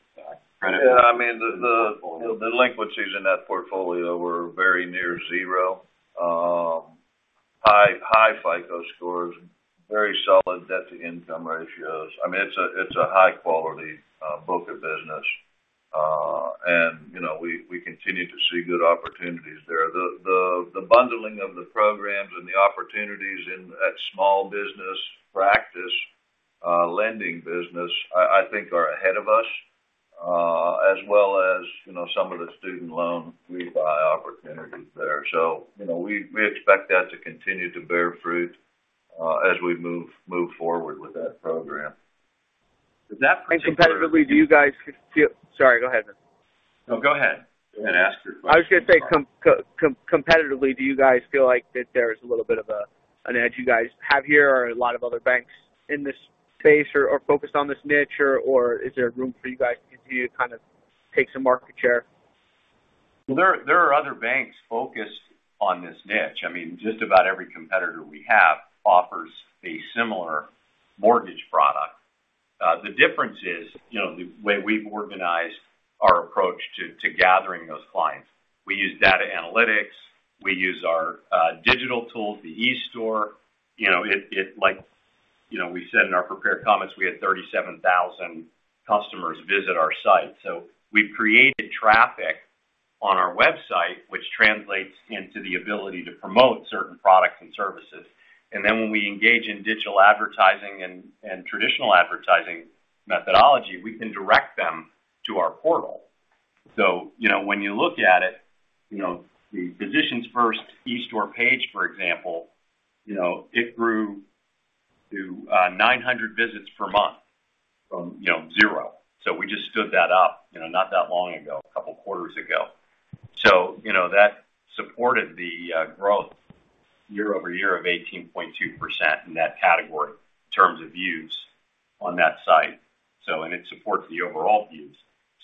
credit- Yeah. I mean, the delinquencies in that portfolio were very near zero. High FICO scores, very solid debt to income ratios. I mean, it's a high quality book of business. You know, we continue to see good opportunities there. The bundling of the programs and the opportunities in at small business practice lending business, I think are ahead of us, as well as you know, some of the student loan rebuy opportunities there. You know, we expect that to continue to bear fruit as we move forward with that program. Does that particularly? Sorry, go ahead, Vince. No, go ahead. Go ahead and ask your question. I was going to say competitively, do you guys feel like that there's a little bit of an edge you guys have here or a lot of other banks in this space or focused on this niche or is there room for you guys to kind of take some market share? Well, there are other banks focused on this niche. I mean, just about every competitor we have offers a similar mortgage product. The difference is, you know, the way we've organized our approach to gathering those clients. We use data analytics. We use our digital tools, the eStore. You know, we said in our prepared comments, we had 37,000 customers visit our site. We've created traffic on our website, which translates into the ability to promote certain products and services. When we engage in digital advertising and traditional advertising methodology, we can direct them to our portal. You know, when you look at it, you know, the Physicians First eStore page, for example, you know, it grew to 900 visits per month from zero. We just stood that up, you know, not that long ago, a couple quarters ago. You know, that supported the growth year over year of 18.2% in that category in terms of views on that site. It supports the overall views.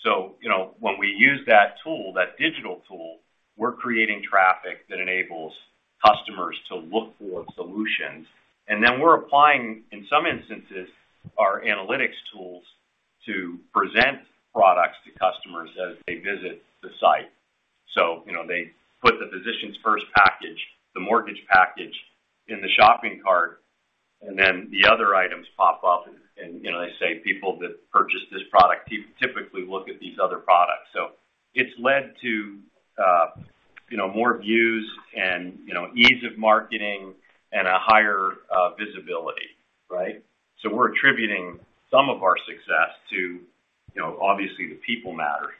You know, when we use that tool, that digital tool, we're creating traffic that enables customers to look for solutions. We're applying, in some instances, our analytics tools to present products to customers as they visit the site. You know, they put the Physicians First package, the mortgage package in the shopping cart, and then the other items pop up and, you know, they say people that purchase this product typically look at these other products. It's led to, you know, more views and, you know, ease of marketing and a higher, visibility, right? We're attributing some of our success to, you know, obviously, the people matter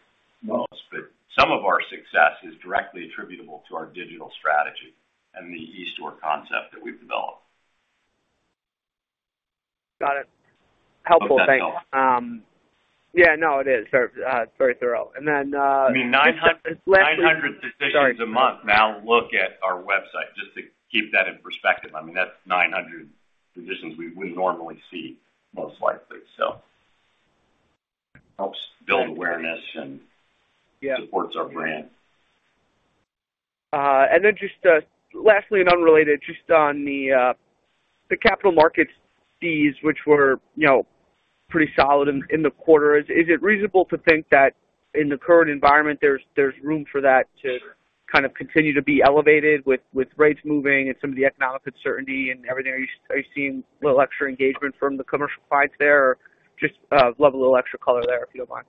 most. But some of our success is directly attributable to our digital strategy and the eStore concept that we've developed. Got it. Helpful, thanks. Hope that helps. Yeah, no, it is. Very thorough. I mean, 900 physicians a month now look at our website, just to keep that in perspective. I mean, that's 900 physicians we wouldn't normally see most likely. Helps build awareness and. Yeah. Supports our brand. Just lastly and unrelated, just on the capital markets fees, which were, you know, pretty solid in the quarter. Is it reasonable to think that in the current environment, there's room for that to kind of continue to be elevated with rates moving and some of the economic uncertainty and everything? Are you seeing a little extra engagement from the commercial clients there? Or just love a little extra color there, if you don't mind.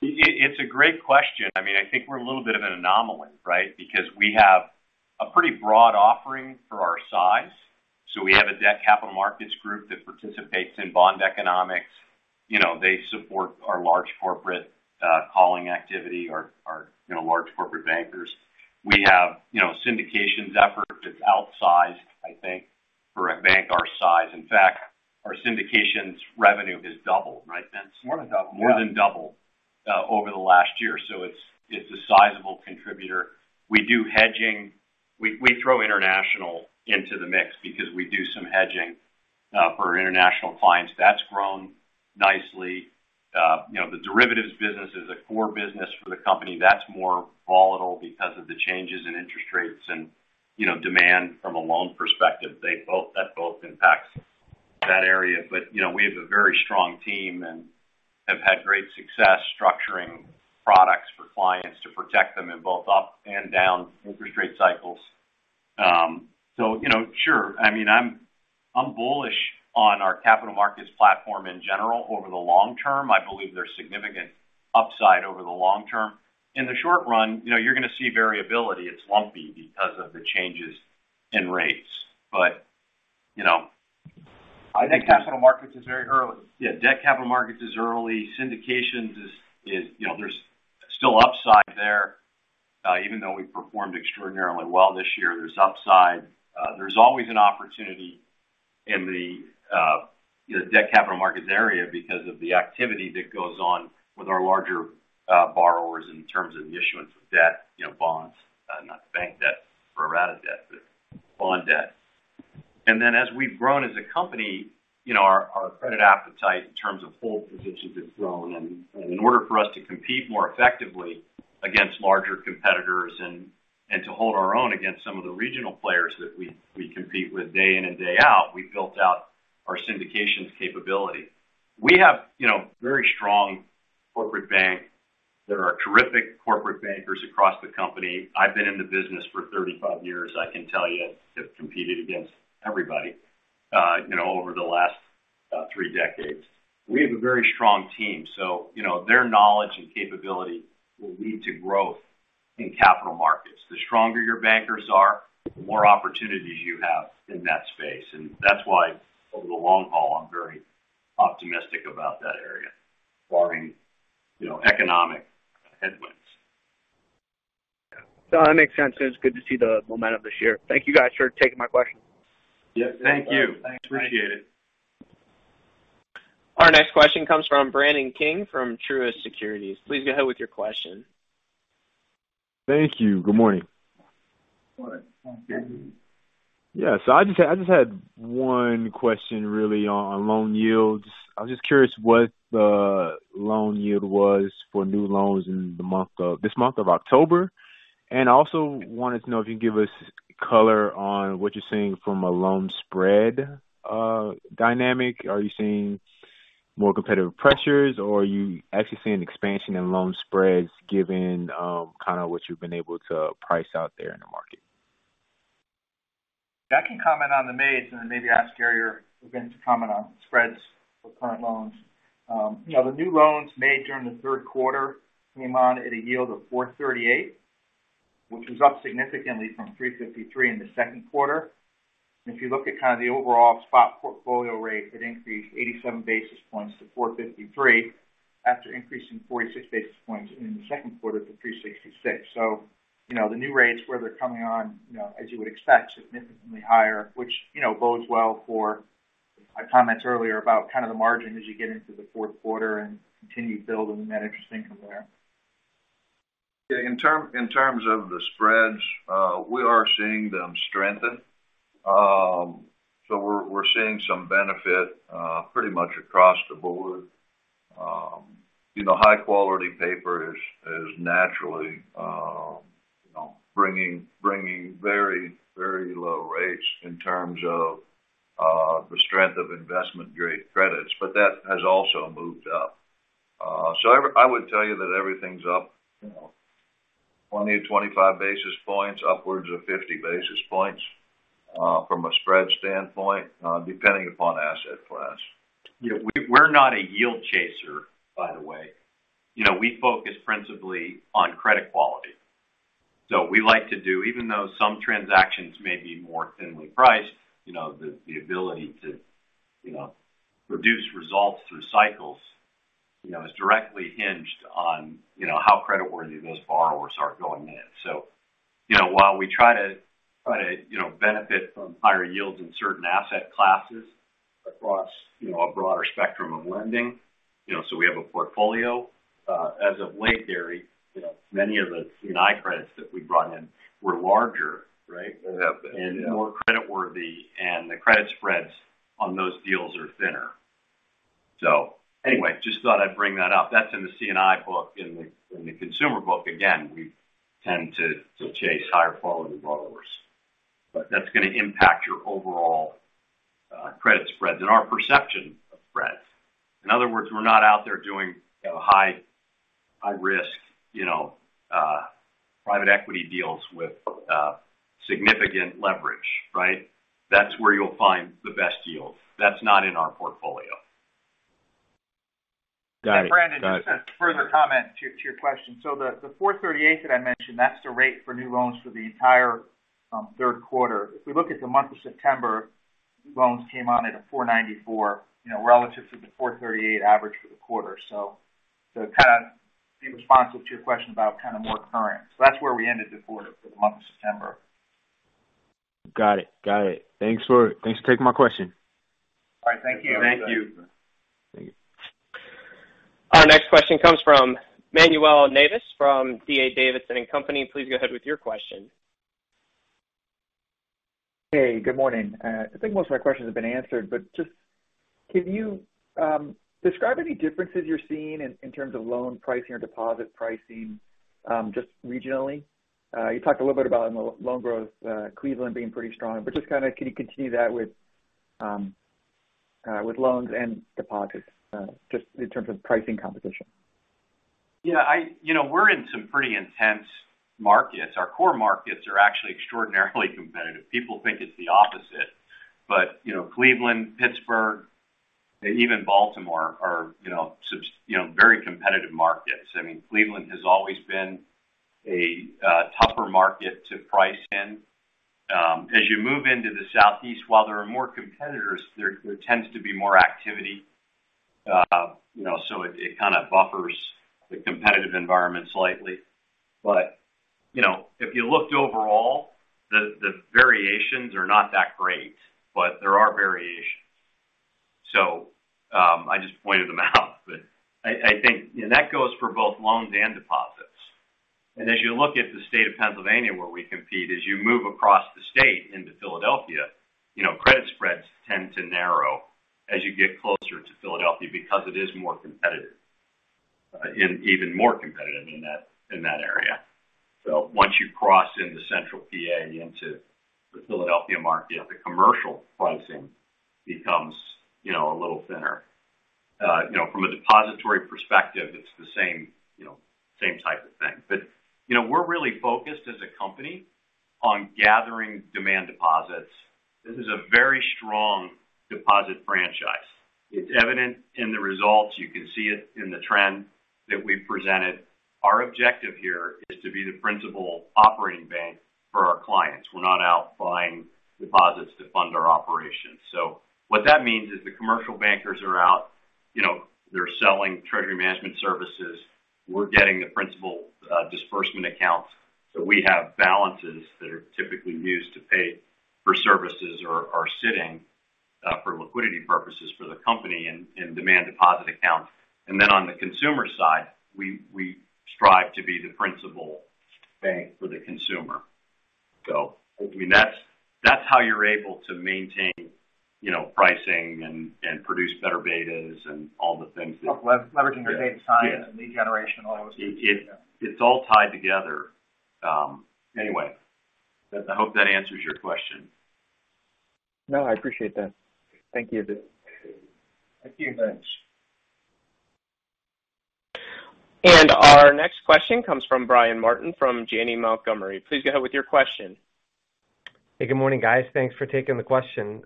It's a great question. I mean, I think we're a little bit of an anomaly, right? Because we have a pretty broad offering for our size. We have a debt capital markets group that participates in bond economics. You know, they support our large corporate calling activity, our you know, large corporate bankers. We have you know, syndications effort that's outsized, I think, for a bank our size. In fact, our syndications revenue has doubled, right, Vince? More than doubled, yeah. More than doubled over the last year. It's a sizable contributor. We do hedging. We throw international into the mix because we do some hedging for our international clients. That's grown nicely. You know, the derivatives business is a core business for the company. That's more volatile because of the changes in interest rates and, you know, demand from a loan perspective. That both impacts that area. You know, we have a very strong team and have had great success structuring products for clients to protect them in both up and down interest rate cycles. You know, sure. I mean, I'm bullish on our capital markets platform in general over the long term. I believe there's significant upside over the long term. In the short run, you know, you're going to see variability. It's lumpy because of the changes in rates. You know I think capital markets is very early. Yeah, debt capital markets is early. Syndications is, you know, there's still upside there. Even though we performed extraordinarily well this year, there's upside. There's always an opportunity in the, you know, debt capital markets area because of the activity that goes on with our larger borrowers in terms of the issuance of debt, you know, bonds, not bank debt or added debt, but bond debt. As we've grown as a company, you know, our credit appetite in terms of hold positions has grown. In order for us to compete more effectively against larger competitors and to hold our own against some of the regional players that we compete with day in and day out, we've built out our syndications capability. We have, you know, very strong corporate bank. There are terrific corporate bankers across the company. I've been in the business for 35 years. I can tell you they've competed against everybody, you know, over the last three decades. We have a very strong team, so you know, their knowledge and capability will lead to growth in capital markets. The stronger your bankers are, the more opportunities you have in that space. That's why over the long haul, I'm very optimistic about that area, barring, you know, economic headwinds. Yeah. No, that makes sense, and it's good to see the momentum this year. Thank you guys for taking my questions. Yeah. Thank you. Thanks. Appreciate it. Our next question comes from Brandon King from Truist Securities. Please go ahead with your question. Thank you. Good morning. Good morning. Good. Yeah. I just had one question really on loan yields. I was just curious what the loan yield was for new loans in this month of October. I also wanted to know if you can give us color on what you're seeing from a loan spread dynamic. Are you seeing more competitive pressures, or are you actually seeing an expansion in loan spreads, given kind of what you've been able to price out there in the market? I can comment on the mids and then maybe ask Gary or Vince to comment on spreads for current loans. You know, the new loans made during the Q3 came on at a yield of 4.38, which was up significantly from 3.53 in the Q2. If you look at kind of the overall spot portfolio rate, it increased 87 basis points to 4.53 after increasing 46 basis points in the Q2 to 3.66. You know, the new rates, where they're coming on, you know, as you would expect, significantly higher, which, you know, bodes well for my comments earlier about kind of the margin as you get into the Q4 and continue building that interest income there. Yeah. In terms of the spreads, we are seeing them strengthen. So we're seeing some benefit pretty much across the board. You know, high quality paper is naturally bringing very, very low rates in terms of the strength of investment grade credits, but that has also moved up. So I would tell you that everything's up, you know, 20-25 basis points, upwards of 50 basis points, from a spread standpoint, depending upon asset class. Yeah. We're not a yield chaser, by the way. You know, we focus principally on credit quality. So we like to do... Even though some transactions may be more thinly priced, you know, the ability to, you know, produce results through cycles, you know, is directly hinged on, you know, how creditworthy those borrowers are going in. While we try to, you know, benefit from higher yields in certain asset classes across, you know, a broader spectrum of lending, you know, we have a portfolio. As of late, Gary, you know, many of the C&I credits that we brought in were larger, right? Yeah. More creditworthy, and the credit spreads on those deals are thinner. Anyway, just thought I'd bring that up. That's in the C&I book. In the consumer book, again, we tend to chase higher quality borrowers. But that's going to impact your overall credit spreads and our perception of spreads. In other words, we're not out there doing high risk, you know, private equity deals with significant leverage, right? That's where you'll find the best yields. That's not in our portfolio. Got it. Got it. Brandon, just a further comment to your question. The 4.38 that I mentioned, that's the rate for new loans for the entire Q3. If we look at the month of September, loans came on at a 4.94, you know, relative to the 4.38 average for the quarter. To kind of be responsive to your question about kind of more current. That's where we ended the quarter for the month of September. Got it. Thanks for taking my question. All right. Thank you. Thank you. Our next question comes from Manuel Navas from D.A. Davidson & Co. Please go ahead with your question. Hey, good morning. I think most of my questions have been answered, but just can you describe any differences you're seeing in terms of loan pricing or deposit pricing, just regionally? You talked a little bit about loan growth, Cleveland being pretty strong, but just kind of can you continue that with loans and deposits, just in terms of pricing competition? Yeah, you know, we're in some pretty intense markets. Our core markets are actually extraordinarily competitive. People think it's the opposite, but you know, Cleveland, Pittsburgh, and even Baltimore are, you know, very competitive markets. I mean, Cleveland has always been a tougher market to price in. As you move into the Southeast, while there are more competitors, there tends to be more activity. You know, so it kind of buffers the competitive environment slightly. You know, if you looked overall, the variations are not that great, but there are variations. I just pointed them out. I think that goes for both loans and deposits. As you look at the state of Pennsylvania where we compete, as you move across the state into Philadelphia, you know, credit spreads tend to narrow as you get closer to Philadelphia because it is more competitive, and even more competitive in that, in that area. Once you cross into Central PA into the Philadelphia market, the commercial pricing becomes, you know, a little thinner. You know, from a depository perspective, it's the same, you know, same type of thing. You know, we're really focused as a company on gathering demand deposits. This is a very strong deposit franchise. It's evident in the results. You can see it in the trend that we presented. Our objective here is to be the principal operating bank for our clients. We're not out buying deposits to fund our operations. What that means is the commercial bankers are out, you know, they're selling treasury management services. We're getting the principal disbursement accounts, so we have balances that are typically used to pay for services or are sitting for liquidity purposes for the company in demand deposit accounts. Then on the consumer side, we strive to be the principal bank for the consumer. I mean, that's how you're able to maintain, you know, pricing and produce better betas and all the things that help leveraging their data science and lead generation, all those things. Yeah. It's all tied together. Anyway, I hope that answers your question. No, I appreciate that. Thank you, Vince. Thank you, Vince. Our next question comes from Brian Martin from Janney Montgomery Scott. Please go ahead with your question. Hey, good morning, guys. Thanks for taking the question.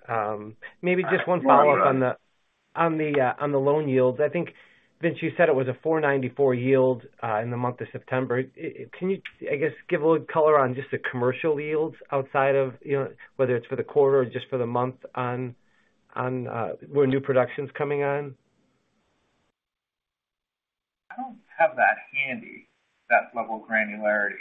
Maybe just one follow-up on the- Good morning, Brian. On the loan yields. I think, Vince, you said it was a 4.94% yield in the month of September. Can you, I guess, give a little color on just the commercial yields outside of, you know, whether it's for the quarter or just for the month on were new productions coming on? I don't have that handy, that level of granularity.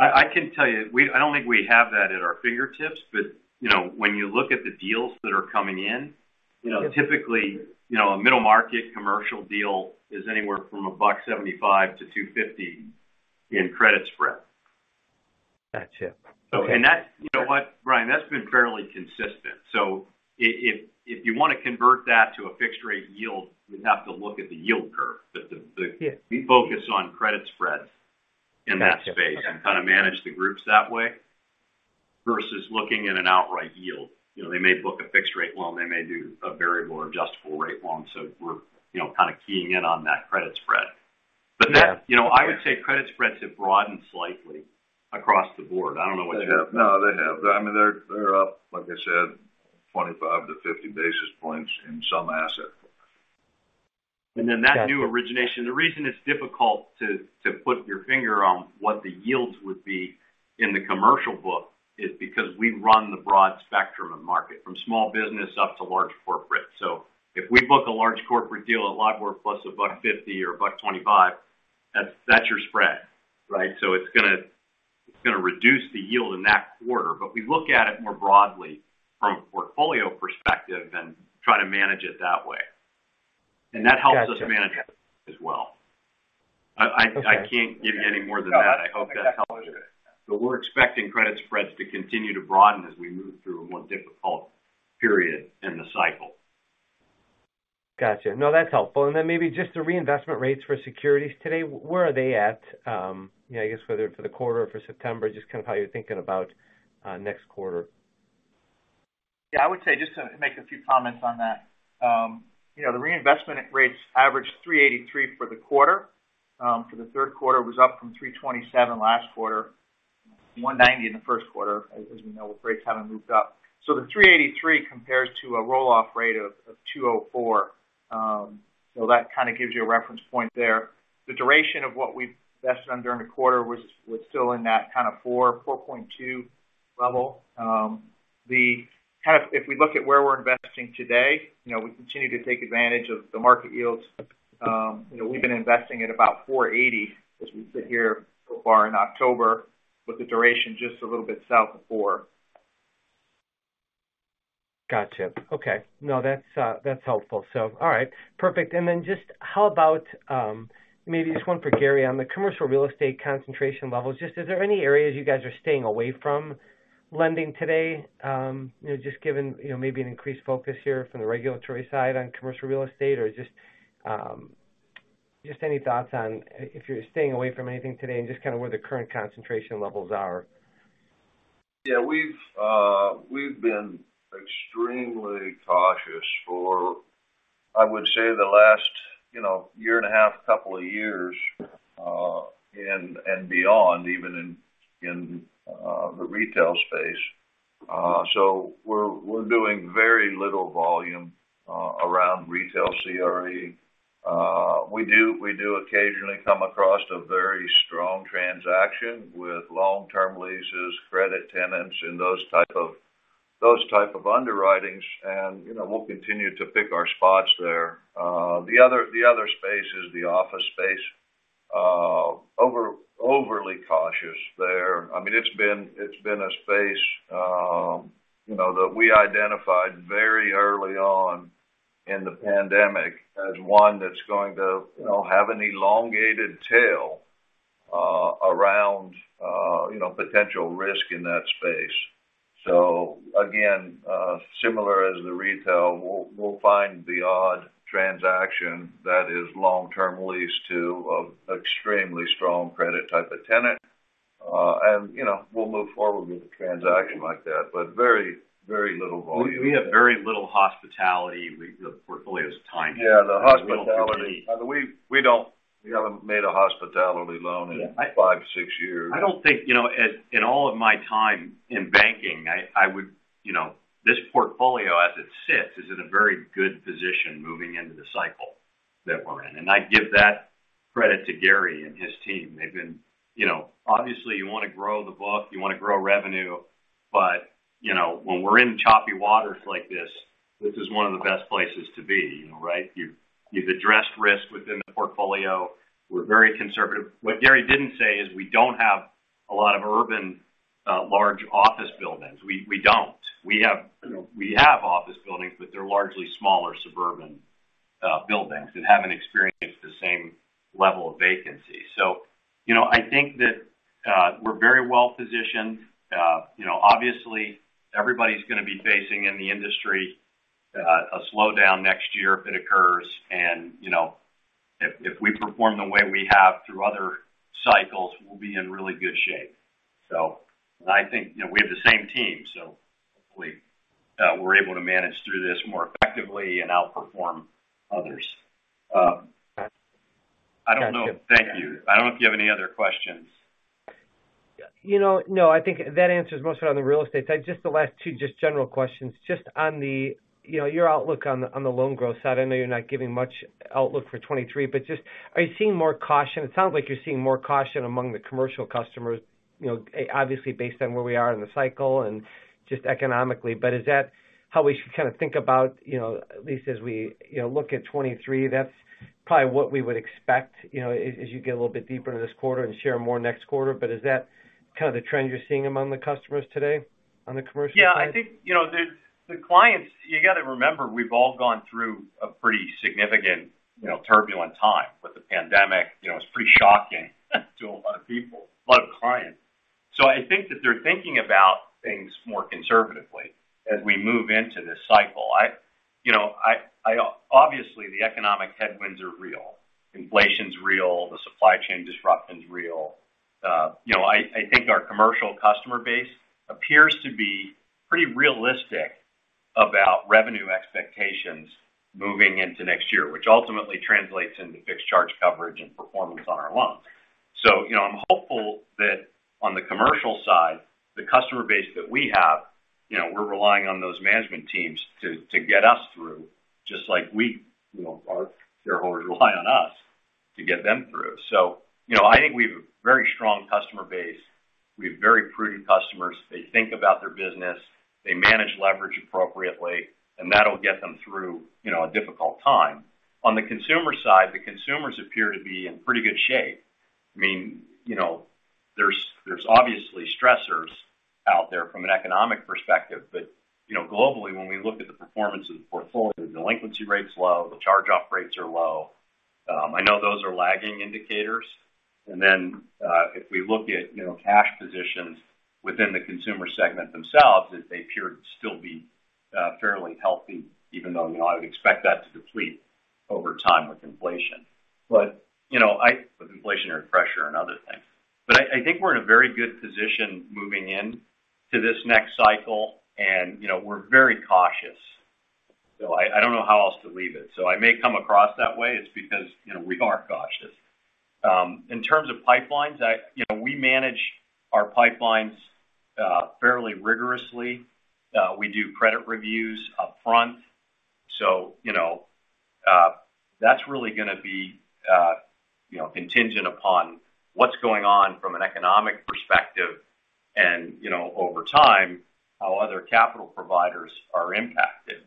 I can tell you, I don't think we have that at our fingertips, but, you know, when you look at the deals that are coming in, you know, typically, you know, a middle market commercial deal is anywhere from 175 to 250 in credit spread. Gotcha. Okay. That you know what, Brian? That's been fairly consistent. If you wanna convert that to a fixed rate yield, you'd have to look at the yield curve. Yeah. We focus on credit spreads in that space. Gotcha. kind of manage the groups that way versus looking at an outright yield. You know, they may book a fixed rate loan, they may do a variable or adjustable rate loan, so we're, you know, kind of keying in on that credit spread. Yeah. You know, I would say credit spreads have broadened slightly across the board. They have. I mean, they're up, like I said, 25-50 basis points in some asset books. Gotcha. Then that new origination, the reason it's difficult to put your finger on what the yields would be in the commercial book is because we run the broad spectrum of market, from small business up to large corporate. If we book a large corporate deal, a lot more plus $1.50 or $1.25, that's your spread, right? It's gonna reduce the yield in that quarter. We look at it more broadly from a portfolio perspective and try to manage it that way. Gotcha. That helps us manage it as well. Okay. I can't give you any more than that. I hope that helps. Got it. We're expecting credit spreads to continue to broaden as we move through a more difficult period in the cycle. Gotcha. No, that's helpful. Maybe just the reinvestment rates for securities today, where are they at? You know, I guess whether for the quarter or for September, just kind of how you're thinking about next quarter? I would say, just to make a few comments on that. You know, the reinvestment rates averaged 3.83% for the quarter. For the Q3 it was up from 3.27% last quarter, 1.90% in the Q1, as we know, with rates having moved up. The 3.83% compares to a roll-off rate of 2.04%. That kind of gives you a reference point there. The duration of what we've invested in during the quarter was still in that kind of 4.2 level. If we look at where we're investing today, you know, we continue to take advantage of the market yields. You know, we've been investing at about 4.80% as we sit here so far in October, with the duration just a little bit south of 4. Gotcha. Okay. No, that's helpful. All right. Perfect. Just how about, maybe just one for Gary on the commercial real estate concentration levels. Just, is there any areas you guys are staying away from lending today? You know, just given, you know, maybe an increased focus here from the regulatory side on commercial real estate or just, any thoughts on if you're staying away from anything today and just kind of where the current concentration levels are. Yeah. We've been extremely cautious for, I would say, the last, you know, year and a half, couple of years, and beyond, even in Retail space. We're doing very little volume around retail CRE. We do occasionally come across a very strong transaction with long-term leases, credit tenants, and those type of underwritings and, you know, we'll continue to pick our spots there. The other space is the office space. Overly cautious there. I mean, it's been a space, you know, that we identified very early on in the pandemic as one that's going to, you know, have an elongated tail around potential risk in that space. Again, similar to the retail, we'll find the odd transaction that is long-term lease to a extremely strong credit type of tenant. You know, we'll move forward with a transaction like that, but very little volume. We have very little hospitality. The portfolio is tiny. Yeah, the hospitality. I mean, we haven't made a hospitality loan in 5, 6 years. You know, this portfolio as it sits is in a very good position moving into the cycle that we're in. I give that credit to Gary and his team. You know, obviously you wanna grow the book, you wanna grow revenue, but you know, when we're in choppy waters like this is one of the best places to be, you know, right? You've addressed risk within the portfolio. We're very conservative. What Gary didn't say is we don't have a lot of urban large office buildings. We don't. We have, you know, we have office buildings, but they're largely smaller suburban buildings that haven't experienced the same level of vacancy. You know, I think that we're very well positioned. You know, obviously everybody's gonna be facing in the industry a slowdown next year if it occurs. You know, if we perform the way we have through other cycles, we'll be in really good shape. I think, you know, we have the same team, so hopefully, we're able to manage through this more effectively and outperform others. I don't know. Thank you. I don't know if you have any other questions. You know, no, I think that answers most of it on the real estate side. Just the last two, just general questions. Just on the, you know, your outlook on the loan growth side, I know you're not giving much outlook for 2023, but just are you seeing more caution? It sounds like you're seeing more caution among the commercial customers, you know, obviously based on where we are in the cycle and just economically. But is that how we should kind of think about, you know, at least as we, you know, look at 2023, that's probably what we would expect, you know, as you get a little bit deeper into this quarter and share more next quarter. But is that kind of the trend you're seeing among the customers today on the commercial side? Yeah. I think, you know, the clients, you gotta remember, we've all gone through a pretty significant, you know, turbulent time with the pandemic. You know, it's pretty shocking to a lot of people, a lot of clients. So I think that they're thinking about things more conservatively as we move into this cycle. You know, I obviously, the economic headwinds are real. Inflation's real. The supply chain disruption's real. You know, I think our commercial customer base appears to be pretty realistic about revenue expectations moving into next year, which ultimately translates into fixed charge coverage and performance on our loans. So, you know, I'm hopeful that on the commercial side, the customer base that we have, you know, we're relying on those management teams to get us through, just like we, you know, our shareholders rely on us to get them through. You know, I think we have a very strong customer base. We have very prudent customers. They think about their business, they manage leverage appropriately, and that'll get them through, you know, a difficult time. On the consumer side, the consumers appear to be in pretty good shape. I mean, you know, there's obviously stressors out there from an economic perspective, but, you know, globally, when we look at the performance of the portfolio, delinquency rate's low, the charge off rates are low. I know those are lagging indicators. Then, if we look at, you know, cash positions within the consumer segment themselves, that they appear to still be fairly healthy, even though, you know, I would expect that to deplete over time with inflation. You know, with inflationary pressure and other things. I think we're in a very good position moving into this next cycle and, you know, we're very cautious. I don't know how else to leave it. I may come across that way. It's because, you know, we are cautious. In terms of pipelines, you know, we manage our pipelines fairly rigorously. We do credit reviews upfront. That's really gonna be, you know, contingent upon what's going on from an economic perspective and, you know, over time, how other capital providers are impacted.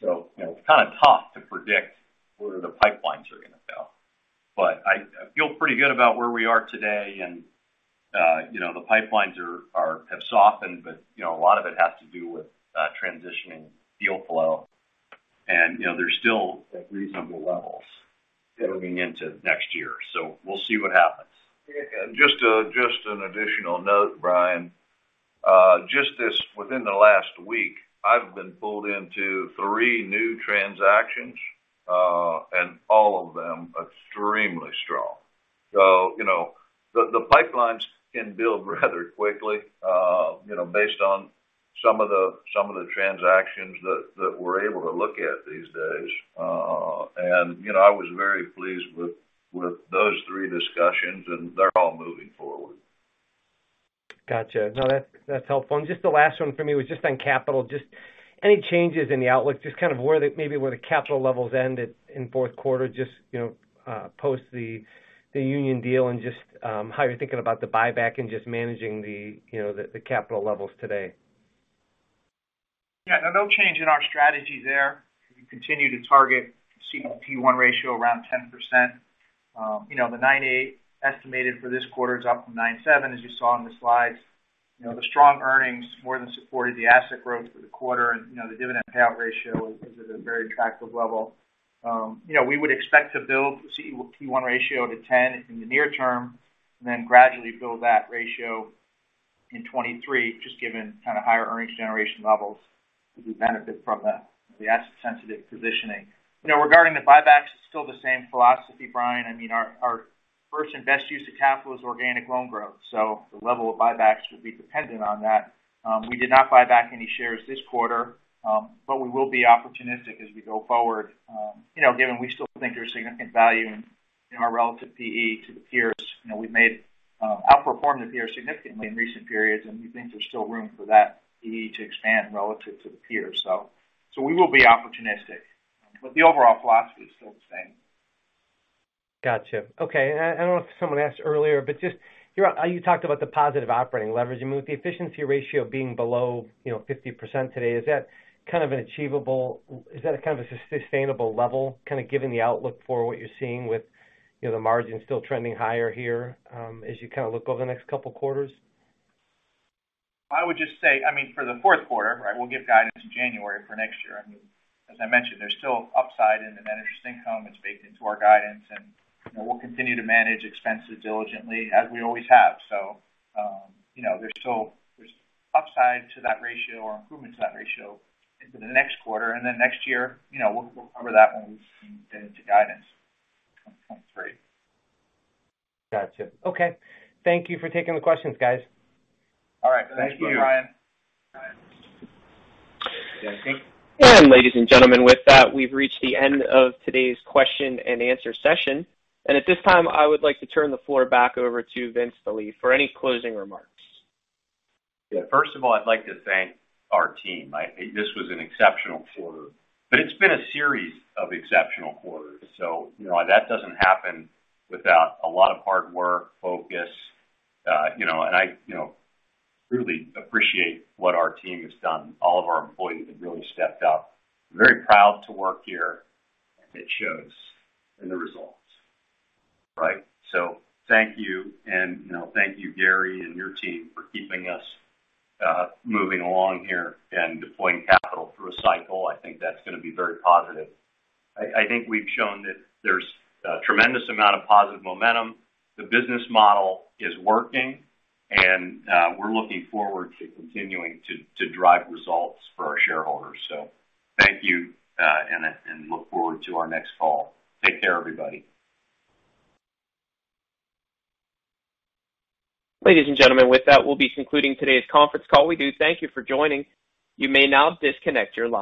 You know, it's kind of tough to predict where the pipelines are gonna go. I feel pretty good about where we are today and, you know, the pipelines have softened but, you know, a lot of it has to do with transitioning deal flow. You know, they're still at reasonable levels moving into next year. We'll see what happens. Just an additional note, Brian. Just this within the last week, I've been pulled into 3 new transactions, and all of them extremely strong. You know, the pipelines can build rather quickly, you know, based on- Some of the transactions that we're able to look at these days. You know, I was very pleased with those three discussions, and they're all moving forward. Gotcha. No, that's helpful. Just the last one for me was just on capital. Just any changes in the outlook, just kind of maybe where the capital levels end at in Q4, just, you know, post the Union deal and just how you're thinking about the buyback and just managing the, you know, the capital levels today. Yeah. No change in our strategy there. We continue to target CET1 ratio around 10%. You know, the 9.8% estimated for this quarter is up from 9.7%, as you saw on the slides. You know, the strong earnings more than supported the asset growth for the quarter. You know, the dividend payout ratio is at a very attractive level. You know, we would expect to build the CET1 ratio to 10% in the near term and then gradually build that ratio in 2023, just given kind of higher earnings generation levels as we benefit from the asset sensitive positioning. You know, regarding the buybacks, it's still the same philosophy, Brian. I mean, our first and best use of capital is organic loan growth. The level of buybacks would be dependent on that. We did not buy back any shares this quarter, but we will be opportunistic as we go forward, you know, given we still think there's significant value in our relative PE to the peers. You know, we've outperformed the peers significantly in recent periods, and we think there's still room for that PE to expand relative to the peers. We will be opportunistic, but the overall philosophy is still the same. Gotcha. Okay, I don't know if someone asked earlier, but you talked about the positive operating leverage. I mean, with the efficiency ratio being below, you know, 50% today, is that kind of an achievable—is that a kind of a sustainable level, kind of given the outlook for what you're seeing with, you know, the margins still trending higher here, as you kind of look over the next couple quarters? I would just say, I mean, for the Q4, right, we'll give guidance in January for next year. I mean, as I mentioned, there's still upside into net interest income. It's baked into our guidance, and, you know, we'll continue to manage expenses diligently as we always have. You know, there's upside to that ratio or improvement to that ratio into the next quarter. Next year, you know, we'll cover that when we get into guidance in 2023. Gotcha. Okay. Thank you for taking the questions, guys. All right. Thank you. Thank you, Brian. All right. Ladies and gentlemen, with that, we've reached the end of today's question and answer session. At this time, I would like to turn the floor back over to Vince Delie for any closing remarks. Yeah. First of all, I'd like to thank our team. This was an exceptional quarter, but it's been a series of exceptional quarters. You know, that doesn't happen without a lot of hard work, focus. You know, and I you know truly appreciate what our team has done. All of our employees have really stepped up. Very proud to work here. It shows in the results, right? Thank you. You know, thank you, Gary and your team for keeping us moving along here and deploying capital through a cycle. I think that's gonna be very positive. I think we've shown that there's a tremendous amount of positive momentum. The business model is working, and we're looking forward to continuing to drive results for our shareholders. Thank you. Look forward to our next call. Take care, everybody. Ladies and gentlemen, with that, we'll be concluding today's conference call. We do thank you for joining. You may now disconnect your line.